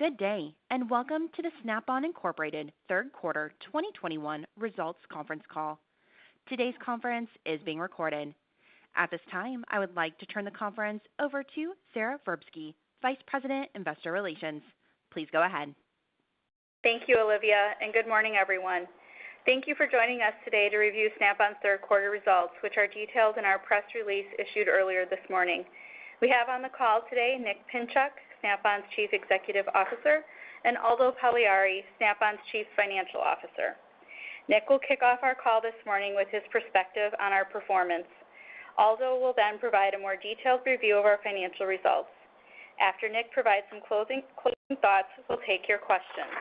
Good day, and welcome to the Snap-on Incorporated third quarter 2021 results conference call. Today's conference is being recorded. At this time, I would like to turn the conference over to Sara Verbsky, Vice President, Investor Relations. Please go ahead. Thank you, Olivia. Good morning, everyone. Thank you for joining us today to review Snap-on's third quarter results, which are detailed in our press release issued earlier this morning. We have on the call today Nick Pinchuk, Snap-on's Chief Executive Officer, and Aldo Pagliari, Snap-on's Chief Financial Officer. Nick will kick off our call this morning with his perspective on our performance. Aldo will provide a more detailed review of our financial results. After Nick provides some closing thoughts, we'll take your questions.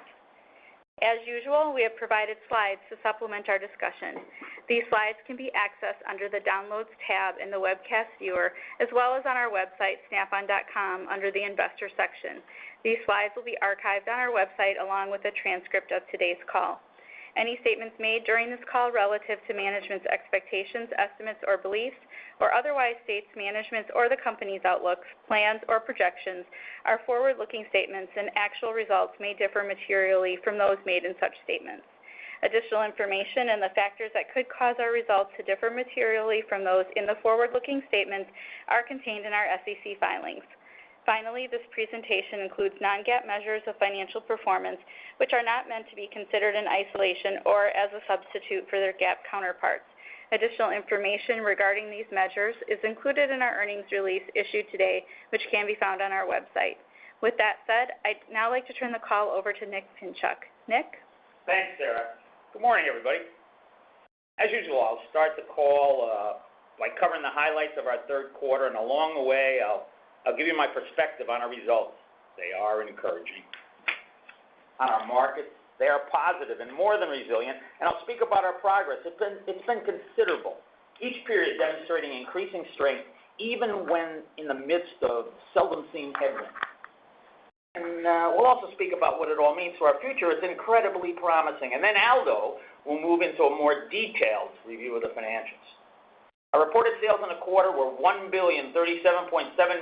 As usual, we have provided slides to supplement our discussion. These slides can be accessed under the Downloads tab in the webcast viewer, as well as on our website, snapon.com, under the Investor section. These slides will be archived on our website along with a transcript of today's call. Any statements made during this call relative to management's expectations, estimates or beliefs, or otherwise states management's or the company's outlooks, plans, or projections are forward-looking statements, and actual results may differ materially from those made in such statements. Additional information and the factors that could cause our results to differ materially from those in the forward-looking statements are contained in our SEC filings. Finally, this presentation includes non-GAAP measures of financial performance, which are not meant to be considered in isolation or as a substitute for their GAAP counterparts. Additional information regarding these measures is included in our earnings release issued today, which can be found on our website. With that said, I'd now like to turn the call over to Nick Pinchuk. Nick? Thanks, Sara. Good morning, everybody. As usual, I'll start the call by covering the highlights of our third quarter, and along the way I'll give you my perspective on our results. They are encouraging. On our markets, they are positive and more than resilient. I'll speak about our progress. It's been considerable. Each period demonstrating increasing strength, even when in the midst of seldom seen headroom. We'll also speak about what it all means for our future. It's incredibly promising. Then Aldo will move into a more detailed review of the financials. Our reported sales in the quarter were $1,037.7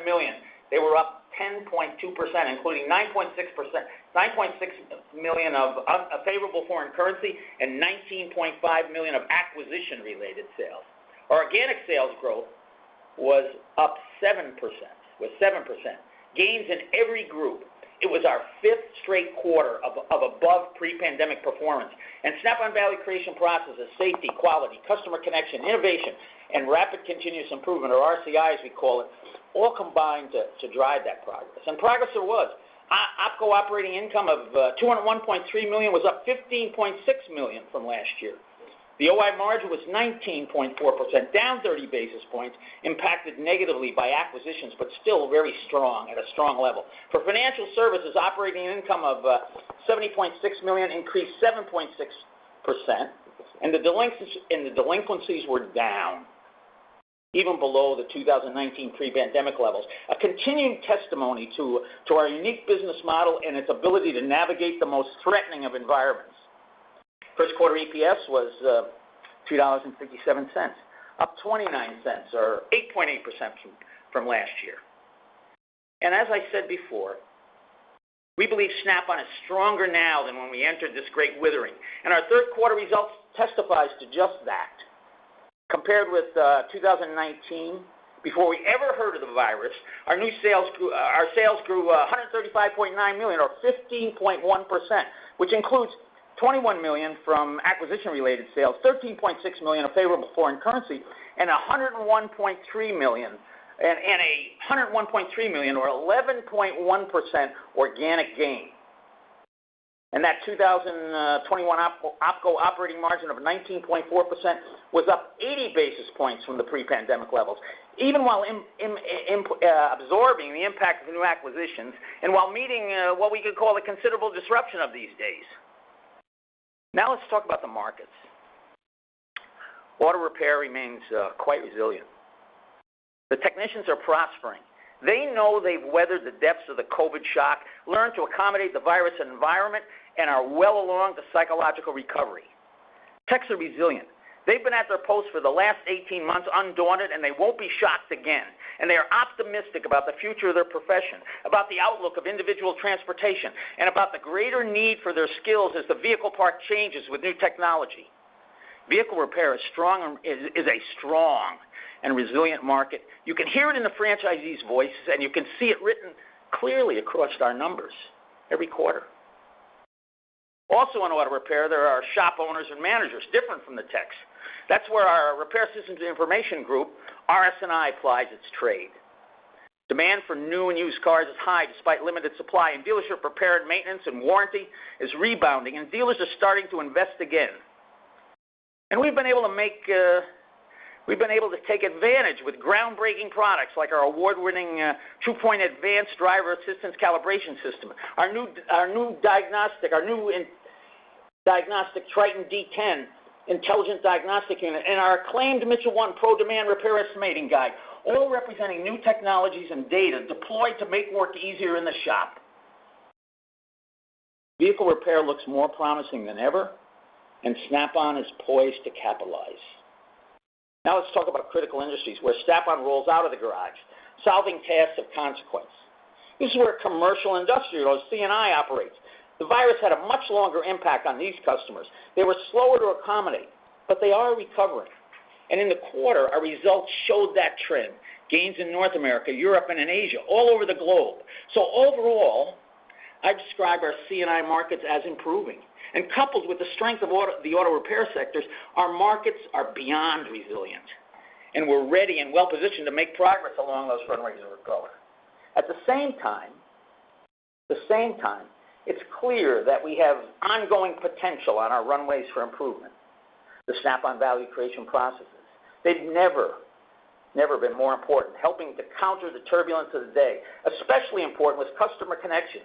million. They were up 10.2%, including $9.6 million of favorable foreign currency and $19.5 million of acquisition-related sales. Our organic sales growth was up 7%, with 7% gains in every group. It was our fifth straight quarter of above pre-pandemic performance. Snap-on value creation processes, safety, quality, customer connection, innovation, and Rapid Continuous Improvement, or RCI as we call it, all combined to drive that progress. Progress there was. OpCo operating income of $201.3 million was up $15.6 million from last year. The OI margin was 19.4%, down 30 basis points, impacted negatively by acquisitions, but still very strong, at a strong level. For financial services, operating income of $70.6 million increased 7.6%, and the delinquencies were down, even below the 2019 pre-pandemic levels. A continuing testimony to our unique business model and its ability to navigate the most threatening of environments. First quarter EPS was $2.57, up $0.29 or 8.8% from last year. As I said before, we believe Snap-on is stronger now than when we entered this great withering, and our third quarter results testifies to just that. Compared with 2019, before we ever heard of the virus, our sales grew $135.9 million or 15.1%, which includes $21 million from acquisition-related sales, $13.6 million of favorable foreign currency, and $101.3 million or 11.1% organic gain. That 2021 OpCo operating margin of 19.4% was up 80 basis points from the pre-pandemic levels, even while absorbing the impact of new acquisitions and while meeting what we could call a considerable disruption of these days. Now let's talk about the markets. Auto repair remains quite resilient. The technicians are prospering. They know they've weathered the depths of the COVID-19 shock, learned to accommodate the virus environment, and are well along the psychological recovery. Techs are resilient. They've been at their post for the last 18 months undaunted, and they won't be shocked again. They are optimistic about the future of their profession, about the outlook of individual transportation, and about the greater need for their skills as the vehicle parc changes with new technology. Vehicle repair is a strong and resilient market. You can hear it in the franchisees' voices, and you can see it written clearly across our numbers every quarter. Also in auto repair, there are shop owners and managers, different from the techs. That's where our Repair Systems & Information Group, RS&I, plies its trade. Demand for new and used cars is high despite limited supply. Dealership prepared maintenance and warranty is rebounding. Dealers are starting to invest again. We've been able to take advantage with groundbreaking products like our award-winning Tru-Point Advanced Driver Assistance Calibration System, our new diagnostic TRITON-D10 intelligent diagnostic unit, and our acclaimed Mitchell 1 ProDemand repair estimating guide, all representing new technologies and data deployed to make work easier in the shop. Vehicle repair looks more promising than ever, and Snap-on is poised to capitalize. Let's talk about critical industries where Snap-on rolls out of the garage, solving tasks of consequence. This is where Commercial & Industrial, or C&I, operates. The virus had a much longer impact on these customers. They were slower to accommodate, but they are recovering. In the quarter, our results showed that trend. Gains in North America, Europe, and Asia, all over the globe. Overall, I describe our C&I markets as improving. Coupled with the strength of the auto repair sectors, our markets are beyond resilient, and we're ready and well-positioned to make progress along those runways of recovery. At the same time, it's clear that we have ongoing potential on our runways for improvement. The Snap-on value creation processes, they've never been more important, helping to counter the turbulence of the day. Especially important was customer connection,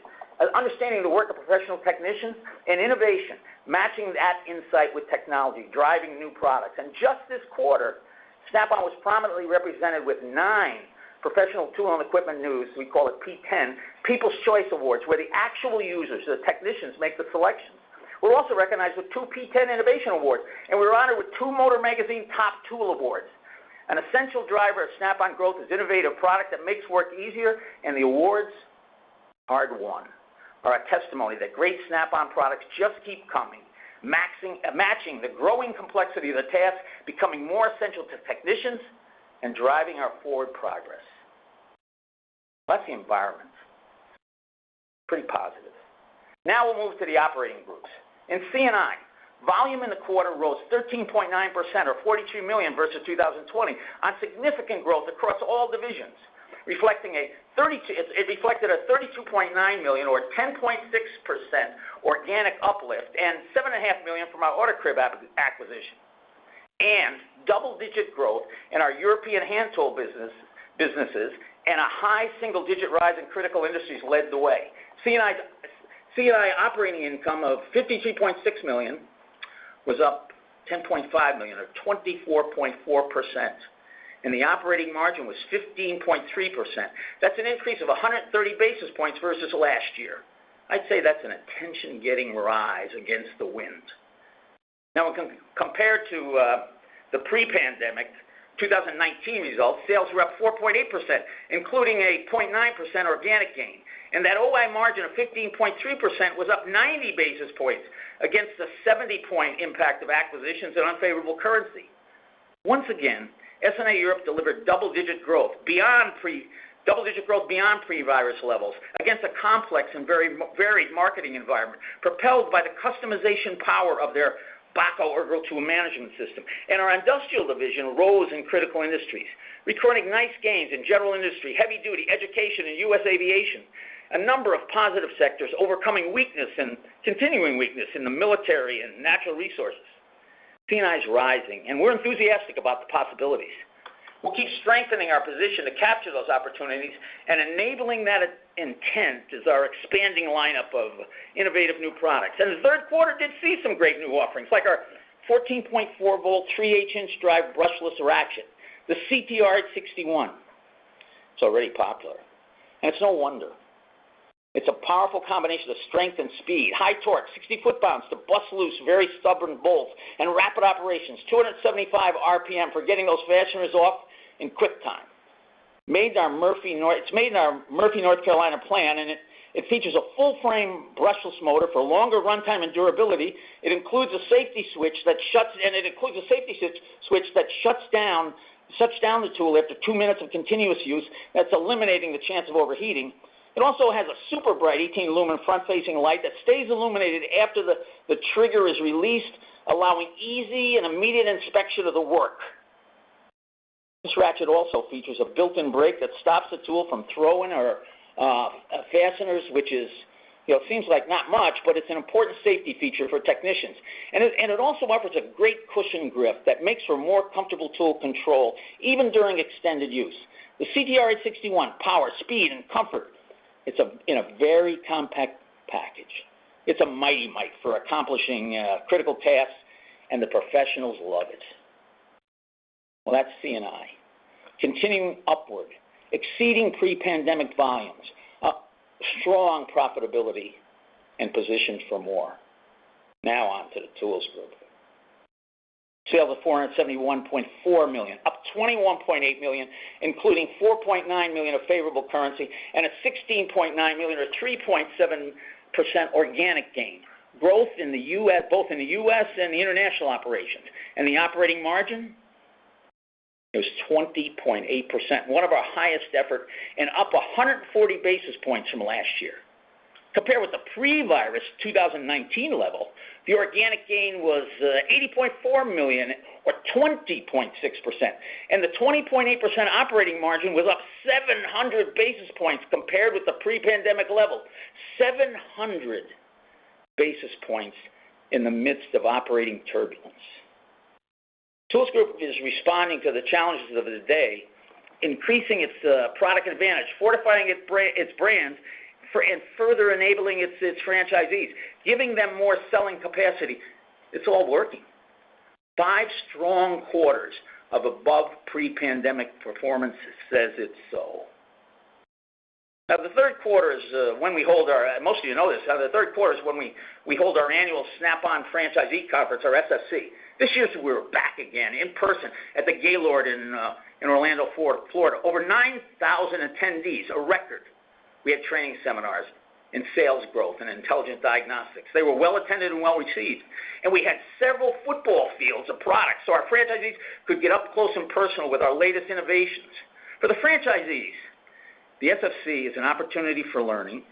understanding the work of professional technicians, and innovation, matching that insight with technology, driving new products. Just this quarter, Snap-on was prominently represented with nine Professional Tool & Equipment News, we call it PTEN, People's Choice Awards, where the actual users, the technicians, make the selections. We're also recognized with two PTEN Innovation Awards, and we're honored with two MOTOR Magazine Top Tool Awards. An essential driver of Snap-on growth is innovative product that makes work easier, and the awards, hard-won, are a testimony that great Snap-on products just keep coming, matching the growing complexity of the task, becoming more essential to technicians, and driving our forward progress. That's the environment. Pretty positive. Now we'll move to the operating groups. In C&I, volume in the quarter rose 13.9%, or $42 million, versus 2020 on significant growth across all divisions. It reflected a $32.9 million, or 10.6% organic uplift, and $7.5 million from our AutoCrib acquisition. Double-digit growth in our European hand tool businesses, and a high single-digit rise in critical industries led the way. C&I operating income of $53.6 million was up $10.5 million, or 24.4%. The operating margin was 15.3%. That's an increase of 130 basis points versus last year. I'd say that's an attention-getting rise against the wind. Compared to the pre-pandemic 2019 results, sales were up 4.8%, including a 0.9% organic gain. That OI margin of 15.3% was up 90 basis points against the 70-point impact of acquisitions and unfavorable currency. Once again, SNA Europe delivered double-digit growth beyond pre-virus levels against a complex and varied marketing environment, propelled by the customization power of their Bahco Ergo Tool Management System. Our industrial division rose in critical industries, recording nice gains in general industry, heavy duty, education, and U.S. aviation. A number of positive sectors overcoming continuing weakness in the military and natural resources. C&I's rising, and we're enthusiastic about the possibilities. We'll keep strengthening our position to capture those opportunities, and enabling that intent is our expanding lineup of innovative new products. The third quarter did see some great new offerings, like our 14.4 V, three-eighths inch drive brushless ratchet, the CTR861. It's already popular. It's no wonder. It's a powerful combination of strength and speed, high torque, 60 ft-lb to bust loose very stubborn bolts, and rapid operations, 275 RPM for getting those fasteners off in quick time. It's made in our Murphy, North Carolina plant. It features a full-frame brushless motor for longer runtime and durability. It includes a safety switch that shuts down the tool after two minutes of continuous use. That's eliminating the chance of overheating. It also has a super-bright 18-lumen front-facing light that stays illuminated after the trigger is released, allowing easy and immediate inspection of the work. This ratchet also features a built-in brake that stops the tool from throwing our fasteners, which seems like not much, but it's an important safety feature for technicians. It also offers a great cushion grip that makes for more comfortable tool control, even during extended use. The CTR861, power, speed, and comfort. It's in a very compact package. It's a mighty mite for accomplishing critical tasks, the professionals love it. Well, that's C&I. Continuing upward, exceeding pre-pandemic volumes, strong profitability, positioned for more. Now on to the tools group. Sales of $471.4 million, up $21.8 million, including $4.9 million of favorable currency, a $16.9 million, or 3.7% organic gain. Growth both in the U.S. and the international operations. The operating margin is 20.8%, one of our highest ever, up 140 basis points from last year. Compared with the pre-virus 2019 level, the organic gain was $80.4 million, or 20.6%. The 20.8% operating margin was up 700 basis points compared with the pre-pandemic level. 700 basis points in the midst of operating turbulence. Tools Group is responding to the challenges of the day, increasing its product advantage, fortifying its brands, and further enabling its franchisees, giving them more selling capacity. It's all working. Five strong quarters of above pre-pandemic performance says it so. The third quarter is when we hold our, most of you know this, annual Snap-on Franchisee Conference, our SFC. This year we're back again in person at the Gaylord in Orlando, Florida. Over 9,000 attendees, a record. We had training seminars in sales growth and intelligent diagnostics. They were well attended and well received. We had several football fields of products, so our franchisees could get up close and personal with our latest innovations. For the franchisees, the SFC is an opportunity for learning,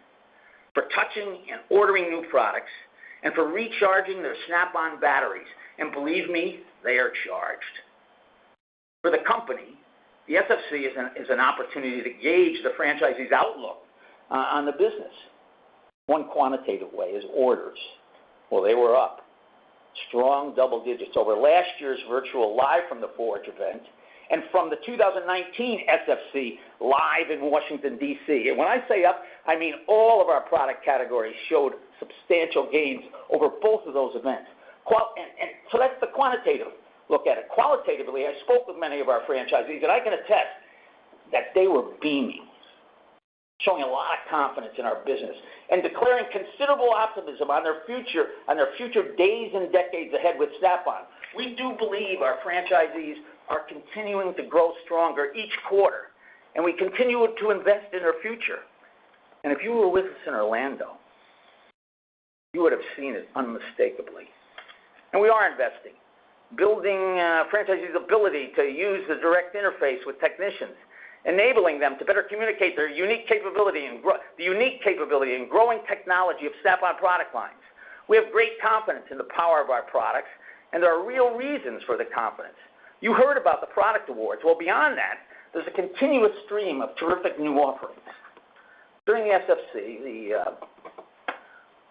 for touching and ordering new products, and for recharging their Snap-on batteries. Believe me, they are charged. For the company, the SFC is an opportunity to gauge the franchisees' outlook on the business. One quantitative way is orders. Well, they were up strong double digits over last year's virtual Live from the Forge event and from the 2019 SFC live in Washington, D.C. When I say up, I mean all of our product categories showed substantial gains over both of those events. That's the quantitative look at it. Qualitatively, I spoke with many of our franchisees, and I can attest that they were beaming, showing a lot of confidence in our business, and declaring considerable optimism on their future days and decades ahead with Snap-on. We do believe our franchisees are continuing to grow stronger each quarter. We continue to invest in our future. If you were with us in Orlando, you would've seen it unmistakably. We are investing. Building a franchisee's ability to use the direct interface with technicians, enabling them to better communicate the unique capability and growing technology of Snap-on product lines. We have great confidence in the power of our products, and there are real reasons for the confidence. You heard about the product awards. Well, beyond that, there's a continuous stream of terrific new offerings. During the SFC,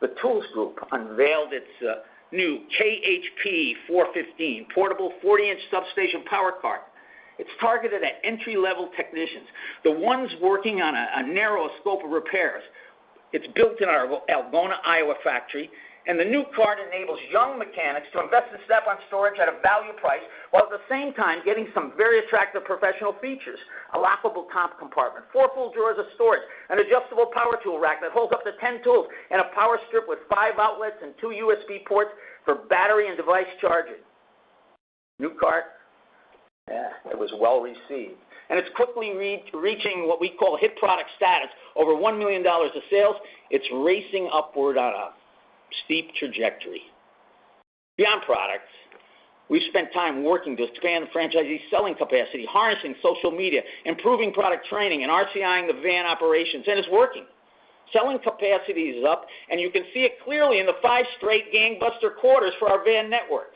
the Tools Group unveiled its new KHP415 portable 40 in substation power cart. It's targeted at entry-level technicians, the ones working on a narrow scope of repairs. It's built in our Algona, Iowa factory, and the new cart enables young mechanics to invest in Snap-on storage at a value price, while at the same time getting some very attractive professional features. A lockable top compartment, four full drawers of storage, an adjustable power tool rack that holds up to 10 tools, and a power strip with five outlets and two USB ports for battery and device charging. New cart, yeah, it was well received, and it's quickly reaching what we call hit product status. Over $1 million of sales. It's racing upward on a steep trajectory. Beyond products, we've spent time working to expand the franchisee selling capacity, harnessing social media, improving product training, and RCI-ing the van operations, and it's working. Selling capacity is up, and you can see it clearly in the five straight gangbuster quarters for our van network.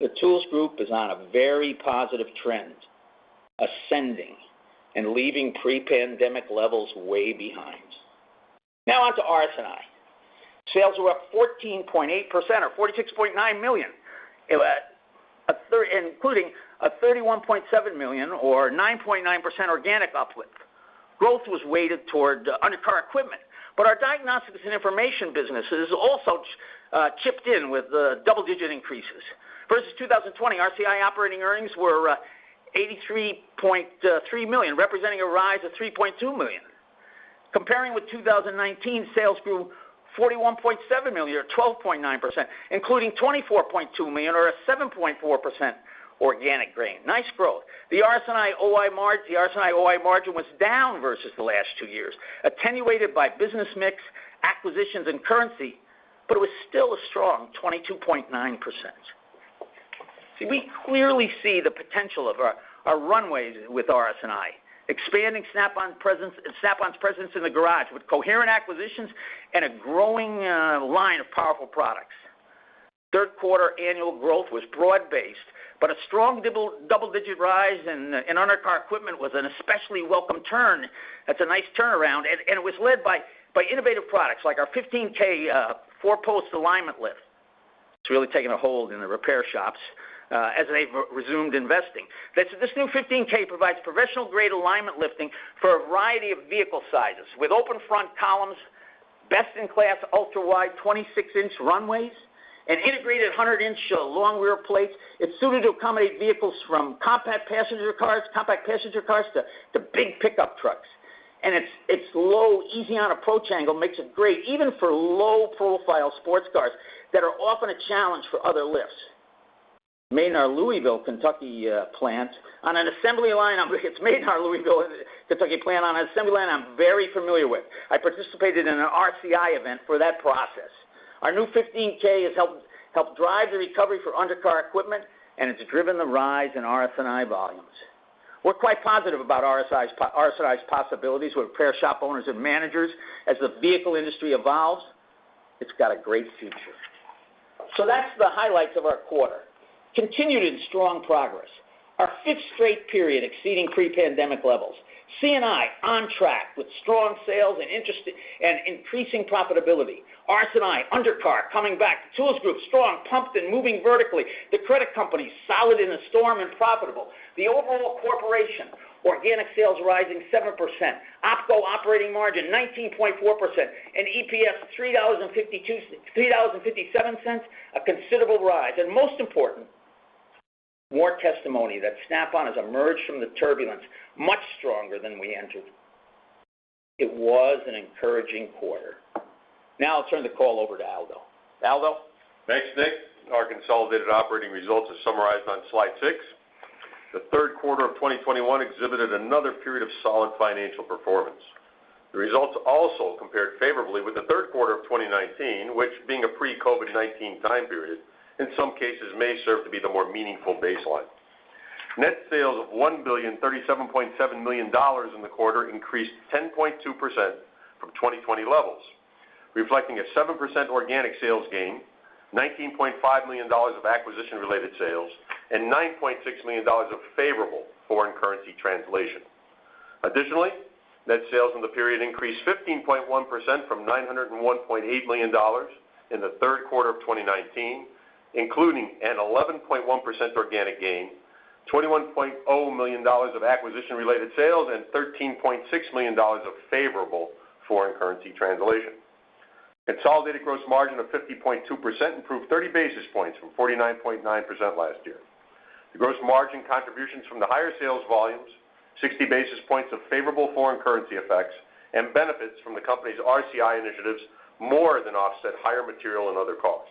The Tools Group is on a very positive trend, ascending and leaving pre-pandemic levels way behind. On to RS&I. Sales were up 14.8% or $46.9 million, including a $31.7 million or 9.9% organic uplift. Growth was weighted toward undercar equipment, our diagnostics and information businesses also chipped in with double-digit increases. Versus 2020, RS&I operating earnings were $83.3 million, representing a rise of $3.2 million. Comparing with 2019, sales grew $41.7 million or 12.9%, including $24.2 million or a 7.4% organic gain. Nice growth. The RS&I OI margin was down versus the last two years, attenuated by business mix, acquisitions, and currency, it was still a strong 22.9%. See, we clearly see the potential of our runways with RS&I. Expanding Snap-on's presence in the garage with coherent acquisitions and a growing line of powerful products. Third quarter annual growth was broad based. A strong double-digit rise in undercar equipment was an especially welcome turn. That's a nice turnaround. It was led by innovative products like our 15K four-post alignment lift. It's really taken a hold in the repair shops as they've resumed investing. This new 15K provides professional-grade alignment lifting for a variety of vehicle sizes with open front columns, best-in-class ultra-wide 26 in runways, and integrated 100 in long rear plates. It's suited to accommodate vehicles from compact passenger cars to big pickup trucks. Its low, easy-on approach angle makes it great even for low-profile sports cars that are often a challenge for other lifts. It's made in our Louisville, Kentucky plant on an assembly line I'm very familiar with. I participated in an RCI event for that process. Our new 15K has helped drive the recovery for undercar equipment, and it's driven the rise in RS&I volumes. We're quite positive about RS&I's possibilities with repair shop owners and managers. As the vehicle industry evolves, it's got a great future. That's the highlights of our quarter. Continued and strong progress, our fifth straight period exceeding pre-pandemic levels. C&I on track with strong sales and increasing profitability. RS&I undercar coming back. Tools Group strong, pumped, and moving vertically. The credit company, solid in the storm and profitable. The overall corporation, organic sales rising 7%, OpCo operating margin 19.4%, and EPS $3.57, a considerable rise. More testimony that Snap-on has emerged from the turbulence much stronger than we entered. It was an encouraging quarter. I'll turn the call over to Aldo. Aldo? Thanks, Nick. Our consolidated operating results are summarized on slide six. The third quarter of 2021 exhibited another period of solid financial performance. The results also compared favorably with the third quarter of 2019, which being a pre-COVID-19 time period, in some cases may serve to be the more meaningful baseline. Net sales of $1,037.7 in the quarter increased 10.2% from 2020 levels, reflecting a 7% organic sales gain, $19.5 million of acquisition-related sales, and $9.6 million of favorable foreign currency translation. Additionally, net sales in the period increased 15.1% from $901.8 million in the third quarter of 2019, including an 11.1% organic gain, $21.0 million of acquisition-related sales, and $13.6 million of favorable foreign currency translation. Consolidated gross margin of 50.2% improved 30 basis points from 49.9% last year. The gross margin contributions from the higher sales volumes, 60 basis points of favorable foreign currency effects, and benefits from the company's RCI initiatives more than offset higher material and other costs.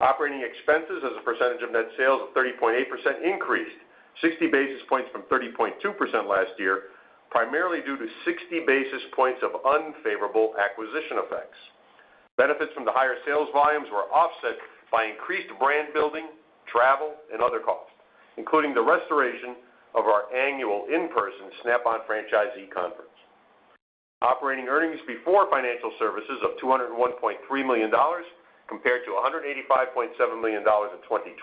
Operating expenses as a percentage of net sales of 30.8% increased 60 basis points from 30.2% last year, primarily due to 60 basis points of unfavorable acquisition effects. Benefits from the higher sales volumes were offset by increased brand building, travel, and other costs, including the restoration of our annual in-person Snap-on Franchisee Conference. Operating earnings before financial services of $201.3 million compared to $185.7 million in 2020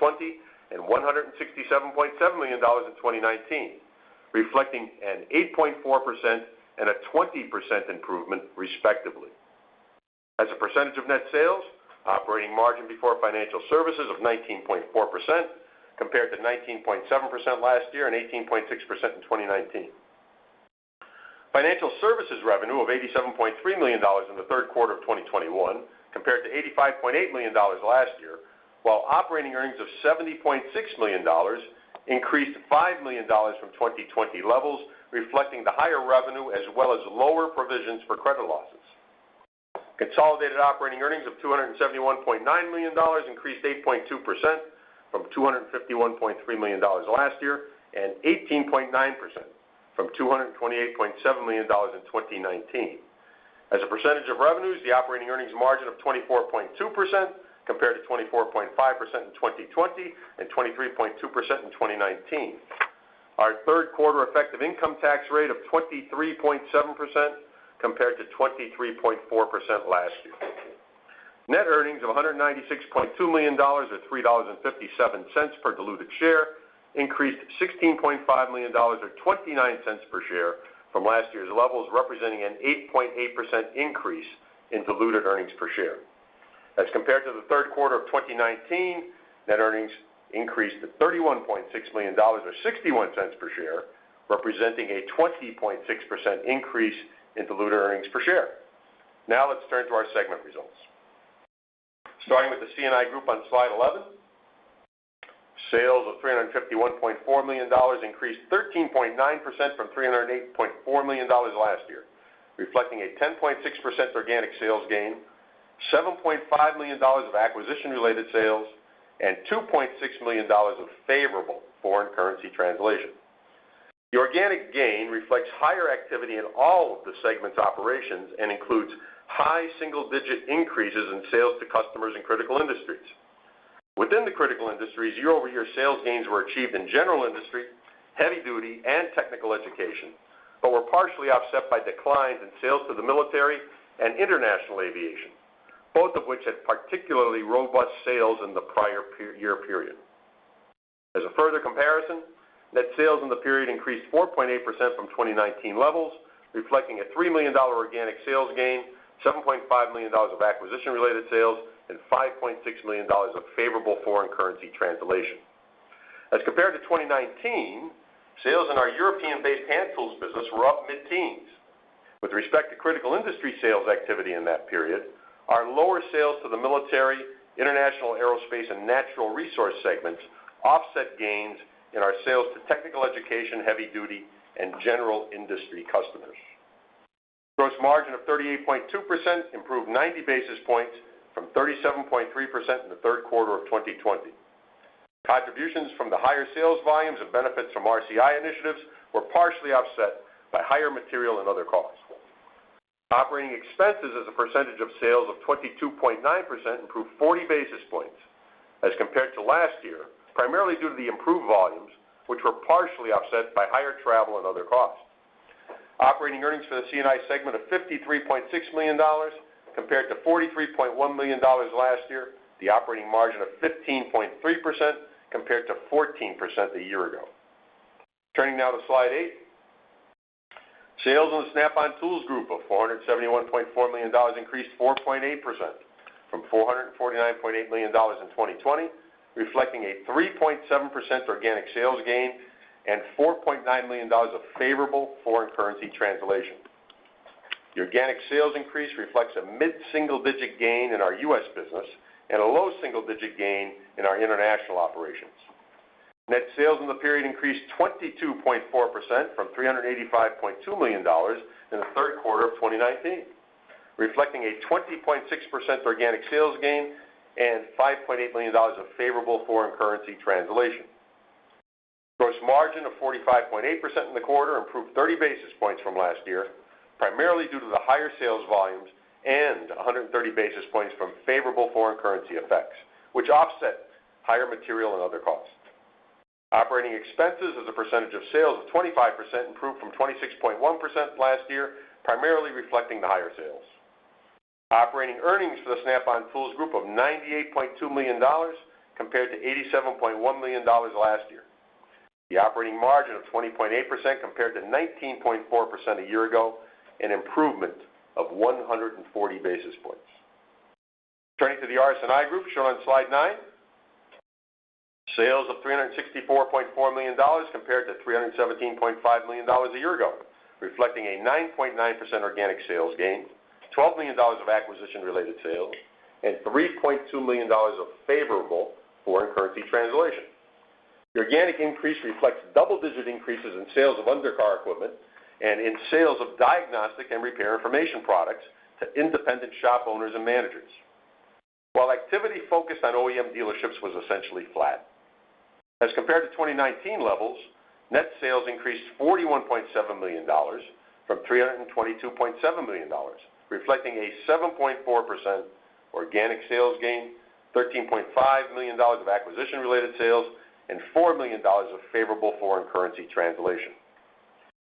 and $167.7 million in 2019, reflecting an 8.4% and a 20% improvement, respectively. As a percentage of net sales, operating margin before financial services of 19.4% compared to 19.7% last year and 18.6% in 2019. Financial services revenue of $87.3 million in the third quarter of 2021 compared to $85.8 million last year, while operating earnings of $70.6 million increased $5 million from 2020 levels, reflecting the higher revenue as well as lower provisions for credit losses. Consolidated operating earnings of $271.9 million increased 8.2% from $251.3 million last year, and 18.9% from $228.7 million in 2019. As a percentage of revenues, the operating earnings margin of 24.2% compared to 24.5% in 2020 and 23.2% in 2019. Our third quarter effective income tax rate of 23.7% compared to 23.4% last year. Net earnings of $196.2 million or $3.57 per diluted share increased $16.5 million or $0.29 per share from last year's levels, representing an 8.8% increase in diluted earnings per share. As compared to the third quarter of 2019, net earnings increased to $31.6 million or $0.61 per share, representing a 20.6% increase in diluted earnings per share. Now let's turn to our segment results. Starting with the C&I Group on slide 11, sales of $351.4 million increased 13.9% from $308.4 million last year, reflecting a 10.6% organic sales gain, $7.5 million of acquisition-related sales, and $2.6 million of favorable foreign currency translation. The organic gain reflects higher activity in all of the segment's operations and includes high single-digit increases in sales to customers in Critical Industries. Within the Critical Industries, year-over-year sales gains were achieved in general industry, heavy duty, and technical education, but were partially offset by declines in sales to the military and international aviation, both of which had particularly robust sales in the prior year period. As a further comparison, net sales in the period increased 4.8% from 2019 levels, reflecting a $3 million organic sales gain, $7.5 million of acquisition-related sales, and $5.6 million of favorable foreign currency translation. As compared to 2019, sales in our European-based Hand Tools business were up mid-teens. With respect to Critical Industry sales activity in that period, our lower sales to the military, international aerospace, and natural resource segments offset gains in our sales to technical education, heavy duty, and general industry customers. Gross margin of 38.2% improved 90 basis points from 37.3% in the third quarter of 2020. Contributions from the higher sales volumes and benefits from RCI initiatives were partially offset by higher material and other costs. Operating expenses as a percentage of sales of 22.9% improved 40 basis points as compared to last year, primarily due to the improved volumes, which were partially offset by higher travel and other costs. Operating earnings for the C&I segment of $53.6 million compared to $43.1 million last year, the operating margin of 15.3% compared to 14% a year ago. Turning now to slide 8, sales in the Snap-on Tools Group of $471.4 million increased 4.8% from $449.8 million in 2020, reflecting a 3.7% organic sales gain and $4.9 million of favorable foreign currency translation. The organic sales increase reflects a mid-single-digit gain in our U.S. business and a low single-digit gain in our international operations. Net sales in the period increased 22.4% from $385.2 million in the third quarter of 2019, reflecting a 20.6% organic sales gain and $5.8 million of favorable foreign currency translation. Gross margin of 45.8% in the quarter improved 30 basis points from last year, primarily due to the higher sales volumes and 130 basis points from favorable foreign currency effects, which offset higher material and other costs. Operating expenses as a percentage of sales of 25% improved from 26.1% last year, primarily reflecting the higher sales. Operating earnings for the Snap-on Tools Group of $98.2 million compared to $87.1 million last year. The operating margin of 20.8% compared to 19.4% a year ago, an improvement of 140 basis points. Turning to the RS&I Group shown on slide nine, sales of $364.4 million compared to $317.5 million a year ago, reflecting a 9.9% organic sales gain, $12 million of acquisition-related sales, and $3.2 million of favorable foreign currency translation. The organic increase reflects double-digit increases in sales of undercar equipment and in sales of diagnostic and repair information products to independent shop owners and managers, while activity focused on OEM dealerships was essentially flat. As compared to 2019 levels, net sales increased $41.7 million from $322.7 million, reflecting a 7.4% organic sales gain, $13.5 million of acquisition-related sales, and $4 million of favorable foreign currency translation.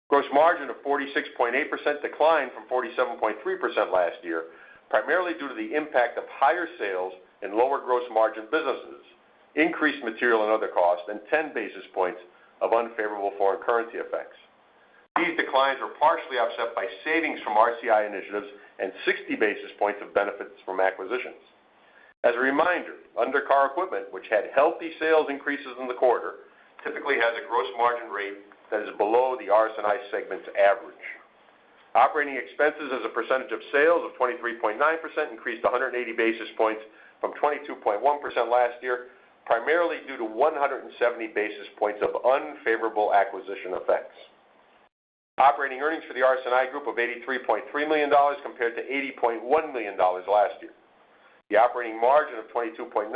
Gross margin of 46.8% declined from 47.3% last year, primarily due to the impact of higher sales in lower gross margin businesses, increased material and other costs, and 10 basis points of unfavorable foreign currency effects. These declines were partially offset by savings from RCI initiatives and 60 basis points of benefits from acquisitions. As a reminder, undercar equipment, which had healthy sales increases in the quarter, typically has a gross margin rate that is below the RS&I segment's average. Operating expenses as a percentage of sales of 23.9% increased 180 basis points from 22.1% last year, primarily due to 170 basis points of unfavorable acquisition effects. Operating earnings for the RS&I Group of $83.3 million compared to $80.1 million last year. The operating margin of 22.9%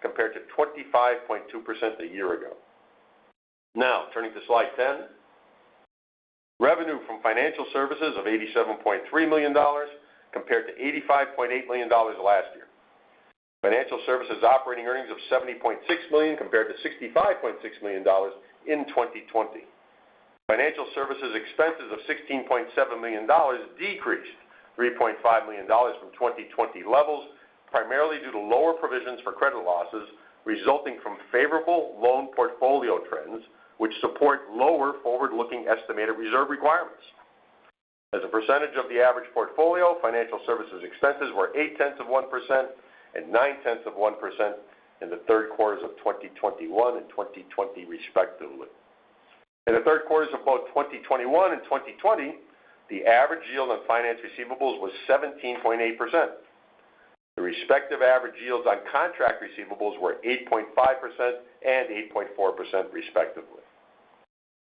compared to 25.2% a year ago. Now, turning to slide 10. Revenue from financial services of $87.3 million compared to $85.8 million last year. Financial services operating earnings of $70.6 million compared to $65.6 million in 2020. Financial services expenses of $16.7 million decreased $3.5 million from 2020 levels, primarily due to lower provisions for credit losses resulting from favorable loan portfolio trends, which support lower forward-looking estimated reserve requirements. As a percentage of the average portfolio, financial services expenses were eight tenths of 1% and nine tenths of 1% in the third quarters of 2021 and 2020 respectively. In the third quarters of both 2021 and 2020, the average yield on finance receivables was 17.8%. The respective average yields on contract receivables were 8.5% and 8.4% respectively.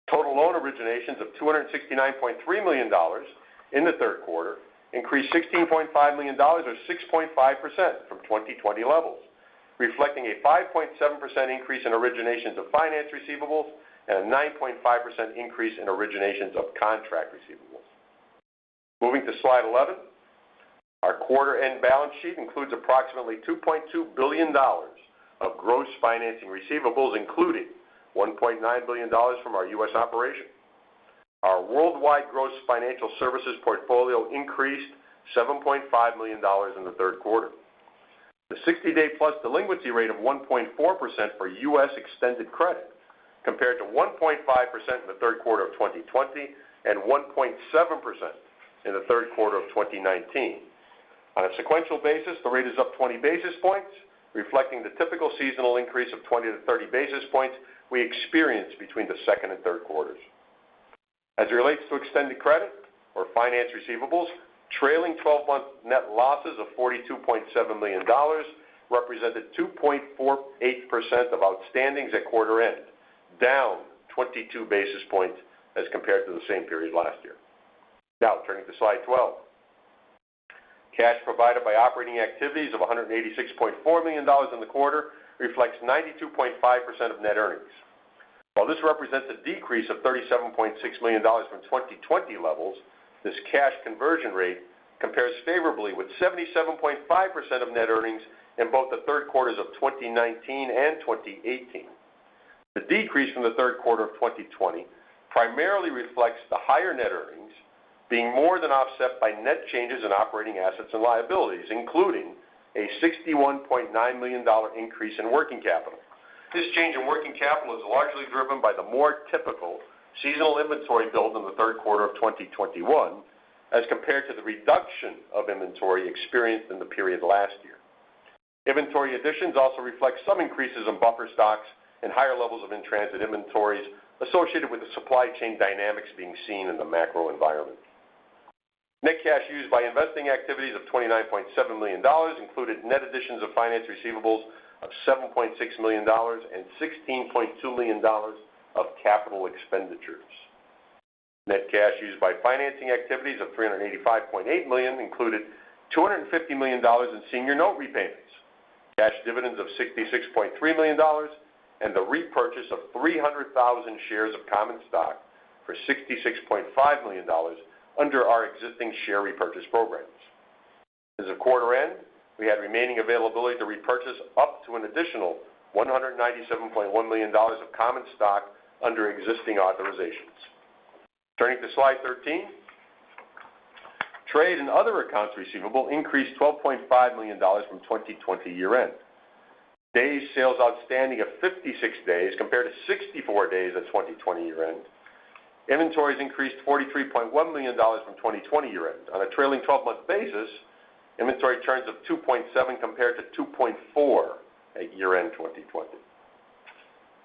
Total loan originations of $269.3 million in the third quarter increased $16.5 million or 6.5% from 2020 levels, reflecting a 5.7% increase in originations of finance receivables and a 9.5% increase in originations of contract receivables. Moving to slide 11, our quarter-end balance sheet includes approximately $2.2 billion of gross financing receivables, including $1.9 billion from our U.S. operation. Our worldwide gross financial services portfolio increased $7.5 million in the third quarter. The 60+ day delinquency rate of 1.4% for U.S. extended credit compared to 1.5% in the third quarter of 2020 and 1.7% in the third quarter of 2019. On a sequential basis, the rate is up 20 basis points, reflecting the typical seasonal increase of 20-30 basis points we experience between the second and third quarters. As it relates to extended credit or finance receivables, trailing 12-month net losses of $42.7 million represented 2.48% of outstandings at quarter end, down 22 basis points as compared to the same period last year. Now, turning to slide 12. Cash provided by operating activities of $186.4 million in the quarter reflects 92.5% of net earnings. While this represents a decrease of $37.6 million from 2020 levels, this cash conversion rate compares favorably with 77.5% of net earnings in both the third quarters of 2019 and 2018. The decrease from the third quarter of 2020 primarily reflects the higher net earnings being more than offset by net changes in operating assets and liabilities, including a $61.9 million increase in working capital. This change in working capital is largely driven by the more typical seasonal inventory build in the third quarter of 2021 as compared to the reduction of inventory experienced in the period last year. Inventory additions also reflect some increases in buffer stocks and higher levels of in-transit inventories associated with the supply chain dynamics being seen in the macro environment. Net cash used by investing activities of $29.7 million included net additions of finance receivables of $7.6 million and $16.2 million of capital expenditures. Net cash used by financing activities of $385.8 million included $250 million in senior note repayments, cash dividends of $66.3 million, and the repurchase of 300,000 shares of common stock for $66.5 million under our existing share repurchase programs. As of quarter end, we had remaining availability to repurchase up to an additional $197.1 million of common stock under existing authorizations. Turning to slide 13. Trade and other accounts receivable increased $12.5 million from 2020 year-end. Days sales outstanding of 56 days compared to 64 days at 2020 year end. Inventories increased $43.1 million from 2020 year end. On a trailing 12-month basis, inventory turns of 2.7x compared to 2.4x at year end 2020.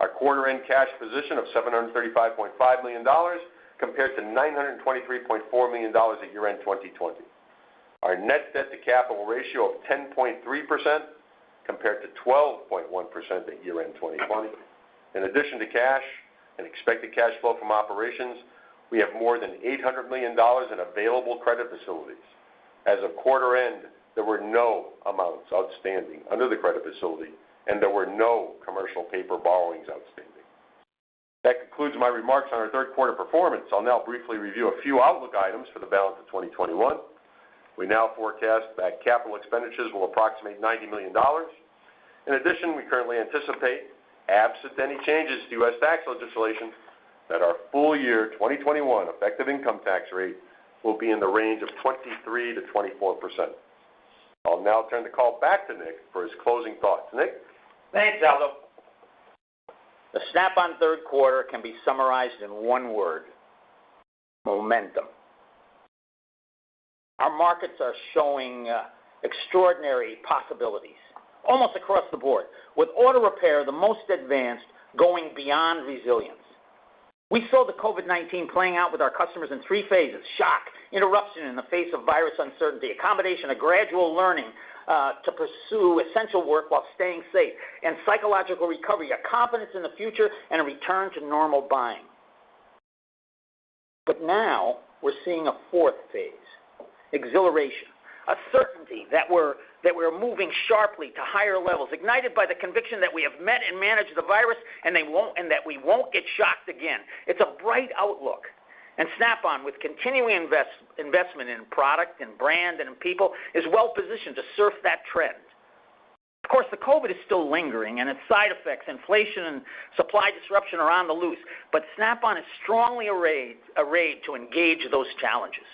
Our quarter end cash position of $735.5 million compared to $923.4 million at year end 2020. Our net debt to capital ratio of 10.3% compared to 12.1% at year end 2020. In addition to cash and expected cash flow from operations, we have more than $800 million in available credit facilities. As of quarter end, there were no amounts outstanding under the credit facility, and there were no commercial paper borrowings outstanding. That concludes my remarks on our third quarter performance. I'll now briefly review a few outlook items for the balance of 2021. We now forecast that capital expenditures will approximate $90 million. In addition, we currently anticipate, absent any changes to U.S. tax legislation, that our full year 2021 effective income tax rate will be in the range of 23%-24%. I'll now turn the call back to Nick for his closing thoughts. Nick? Thanks, Aldo. The Snap-on third quarter can be summarized in one word, momentum. Our markets are showing extraordinary possibilities almost across the board. With auto repair the most advanced, going beyond resilience. We saw the COVID-19 playing out with our customers in three phases, shock, interruption in the face of virus uncertainty, accommodation, a gradual learning to pursue essential work while staying safe, and psychological recovery, a confidence in the future and a return to normal buying. Now we're seeing a fourth phase, exhilaration. A certainty that we're moving sharply to higher levels, ignited by the conviction that we have met and managed the virus, and that we won't get shocked again. It's a bright outlook. Snap-on, with continuing investment in product, in brand, and in people, is well positioned to surf that trend. Of course, the COVID is still lingering and its side effects, inflation, and supply disruption are on the loose, but Snap-on is strongly arrayed to engage those challenges.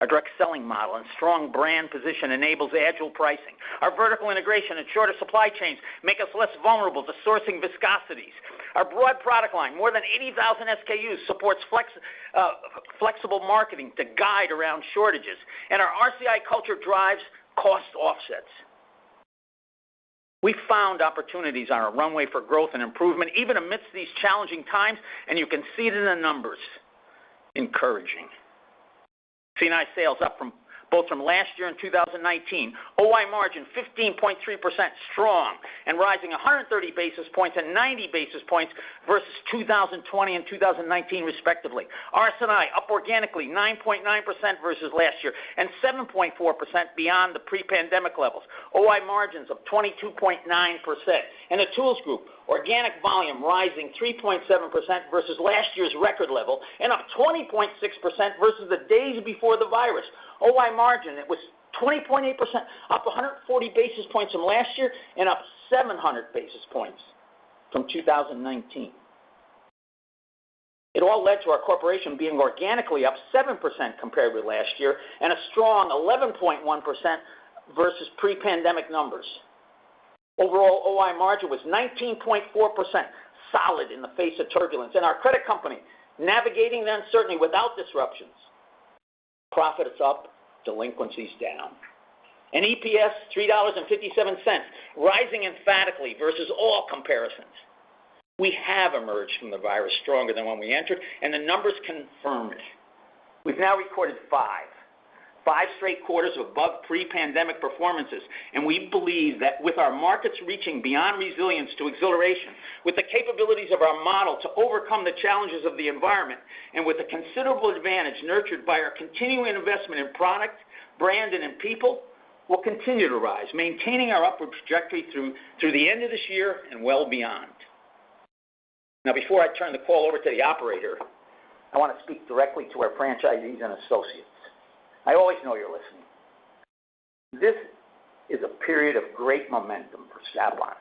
Our direct selling model and strong brand position enables agile pricing. Our vertical integration and shorter supply chains make us less vulnerable to sourcing viscosities. Our broad product line, more than 80,000 SKUs, supports flexible marketing to guide around shortages. Our RCI culture drives cost offsets. We found opportunities on our runway for growth and improvement, even amidst these challenging times, and you can see it in the numbers. Encouraging. C&I sales up both from last year and 2019. OI margin 15.3% strong and rising 130 basis points and 90 basis points versus 2020 and 2019 respectively. RS&I, up organically 9.9% versus last year, and 7.4% beyond the pre-pandemic levels. OI margins of 22.9%. In the tools group, organic volume rising 3.7% versus last year's record level, and up 20.6% versus the days before the virus. OI margin, it was 20.8%, up 140 basis points from last year and up 700 basis points from 2019. It all led to our corporation being organically up 7% compared with last year and a strong 11.1% versus pre-pandemic numbers. Overall, OI margin was 19.4%, solid in the face of turbulence. Our credit company, navigating the uncertainty without disruptions. Profits up, delinquencies down. EPS $3.57, rising emphatically versus all comparisons. We have emerged from the virus stronger than when we entered, and the numbers confirm it. We've now recorded five straight quarters of above pre-pandemic performances, and we believe that with our markets reaching beyond resilience to exhilaration, with the capabilities of our model to overcome the challenges of the environment, and with a considerable advantage nurtured by our continuing investment in product, brand, and in people, we'll continue to rise, maintaining our upward trajectory through the end of this year and well beyond. Before I turn the call over to the operator, I want to speak directly to our franchisees and associates. I always know you're listening. This is a period of great momentum for Snap-on.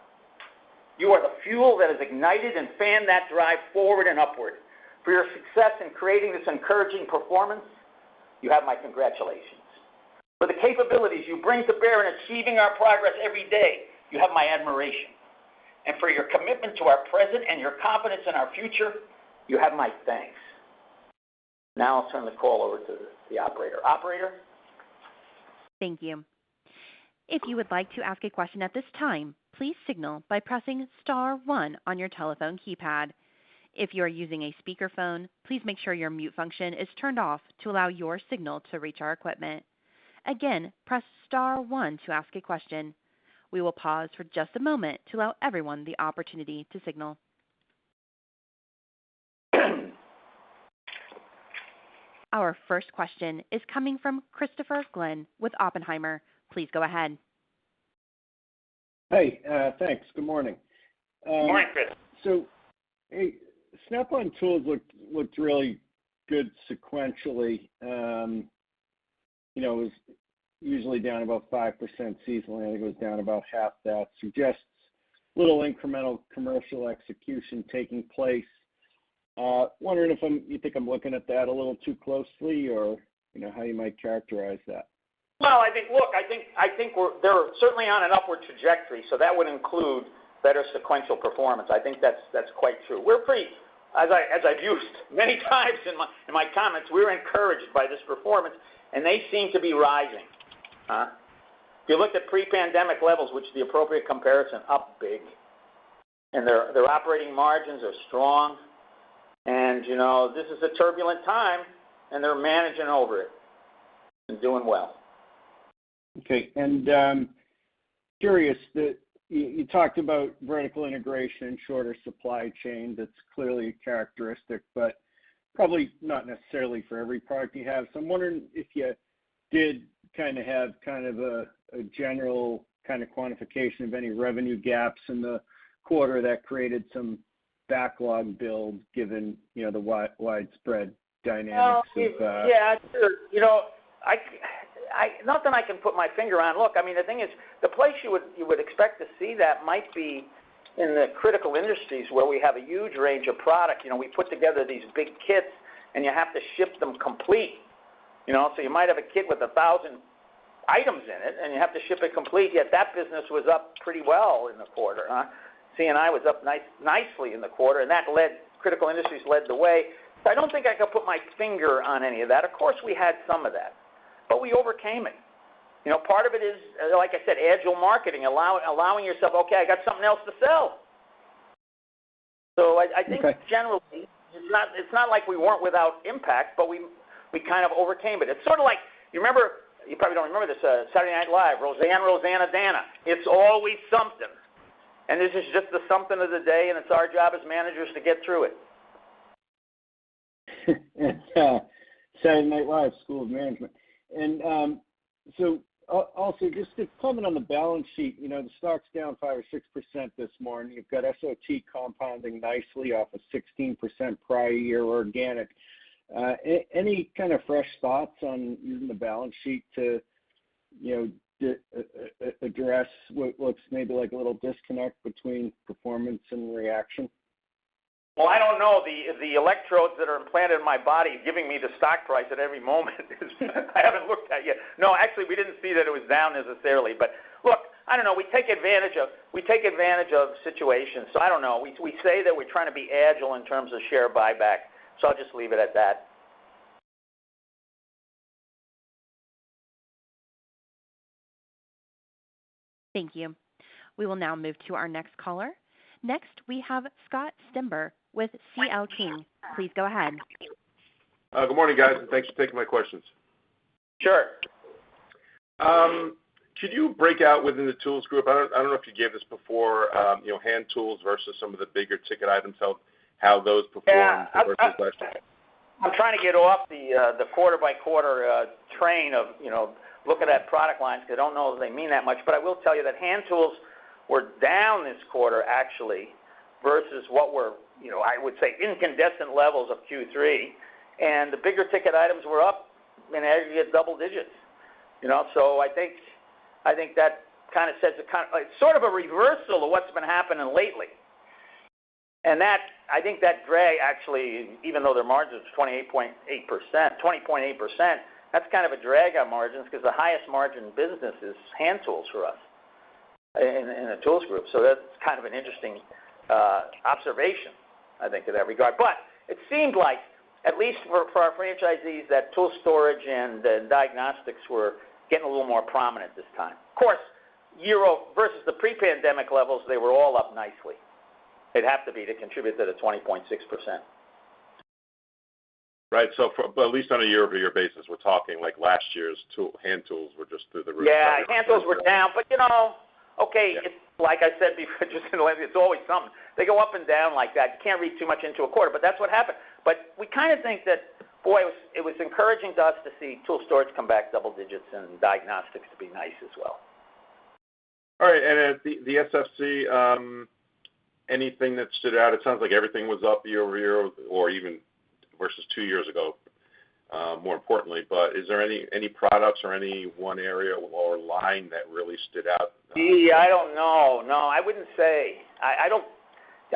You are the fuel that has ignited and fanned that drive forward and upward. For your success in creating this encouraging performance, you have my congratulations. For the capabilities you bring to bear in achieving our progress every day, you have my admiration. For your commitment to our present and your confidence in our future, you have my thanks. Now I'll turn the call over to the operator. Operator? Thank you. If you would like to ask a question at this time, please signal by pressing star one on your telephone keypad. If you are using a speakerphone, please make sure your mute function is turned off to allow your signal to reach our equipment. Again, press star one to ask a question. We will pause for just a moment to allow everyone the opportunity to signal. Our first question is coming from Christopher Glynn with Oppenheimer. Please go ahead. Hey, thanks. Good morning. Good morning, Chris. Snap-on Tools looked really good sequentially. It was usually down about 5% seasonally, and it goes down about half that, suggests a little incremental commercial execution taking place. Wondering if you think I'm looking at that a little too closely, or how you might characterize that? Well, look, I think they're certainly on an upward trajectory, that would include better sequential performance. I think that's quite true. We're pretty, as I've used many times in my comments, we're encouraged by this performance, they seem to be rising. If you looked at pre-pandemic levels, which is the appropriate comparison, up big. Their operating margins are strong. This is a turbulent time, and they're managing over it and doing well. Okay. Curious that you talked about vertical integration and shorter supply chain. That's clearly a characteristic, but probably not necessarily for every product you have. I'm wondering if you did have a general quantification of any revenue gaps in the quarter that created some backlog build, given the widespread dynamics of the. Yeah. Nothing I can put my finger on. Look, the thing is, the place you would expect to see that might be in the critical industries where we have a huge range of product. We put together these big kits, and you have to ship them complete. You might have a kit with 1,000 items in it, and you have to ship it complete, yet that business was up pretty well in the quarter, huh? C&I was up nicely in the quarter, and critical industries led the way. I don't think I could put my finger on any of that. Of course, we had some of that, but we overcame it. Part of it is, like I said, agile marketing, allowing yourself, "Okay, I got something else to sell." Okay. I think generally, it's not like we weren't without impact, but we kind of overcame it. It's sort of like, you probably don't remember this, "Saturday Night Live," Roseanne Roseannadanna. It's always something. This is just the something of the day, and it's our job as managers to get through it. Saturday Night Live, School of Management. Just plumbing on the balance sheet, the stock's down 5% or 6% this morning. You've got SOT compounding nicely off of 16% prior year organic. Any kind of fresh thoughts on using the balance sheet to address what's maybe like a little disconnect between performance and reaction? I don't know. The electrodes that are implanted in my body are giving me the stock price at every moment. I haven't looked at yet. Actually, we didn't see that it was down necessarily. Look, I don't know. We take advantage of situations, so I don't know. We say that we're trying to be agile in terms of share buyback, so I'll just leave it at that. Thank you. We will now move to our next caller. Next, we have Scott Stember with CL King. Please go ahead. Good morning, guys, and thanks for taking my questions. Sure. Could you break out within the Tools Group, I don't know if you gave this before, hand tools versus some of the bigger ticket items, how those performed versus last time? I'm trying to get off the quarter-by-quarter train of looking at product lines, because I don't know if they mean that much. I will tell you that hand tools were down this quarter actually, versus what were, I would say incandescent levels of Q3, and the bigger ticket items were up in aggregate double digits. I think that kind of sets the kind of sort of a reversal of what's been happening lately. I think that gray actually, even though their margin's 20.8%, that's kind of a drag on margins because the highest margin business is hand tools for us in the Snap-on Tools Group. That's kind of an interesting observation, I think, in that regard. It seemed like, at least for our franchisees, that tool storage and the diagnostics were getting a little more prominent this time. Of course, year over-- versus the pre-pandemic levels, they were all up nicely. They'd have to be to contribute to the 20.6%. Right. At least on a year-over-year basis, we're talking like last year's hand tools were just through the roof. Yeah. Hand tools were down. Okay. Yeah. Like I said before, it's always something. They go up and down like that. You can't read too much into a quarter. That's what happened. We kind of think that, boy, it was encouraging to us to see tool storage come back double digits and diagnostics be nice as well. All right. At the SFC, anything that stood out? It sounds like everything was up year-over-year or even versus two years ago, more importantly. Is there any products or any one area or line that really stood out? I don't know. No, I wouldn't say. I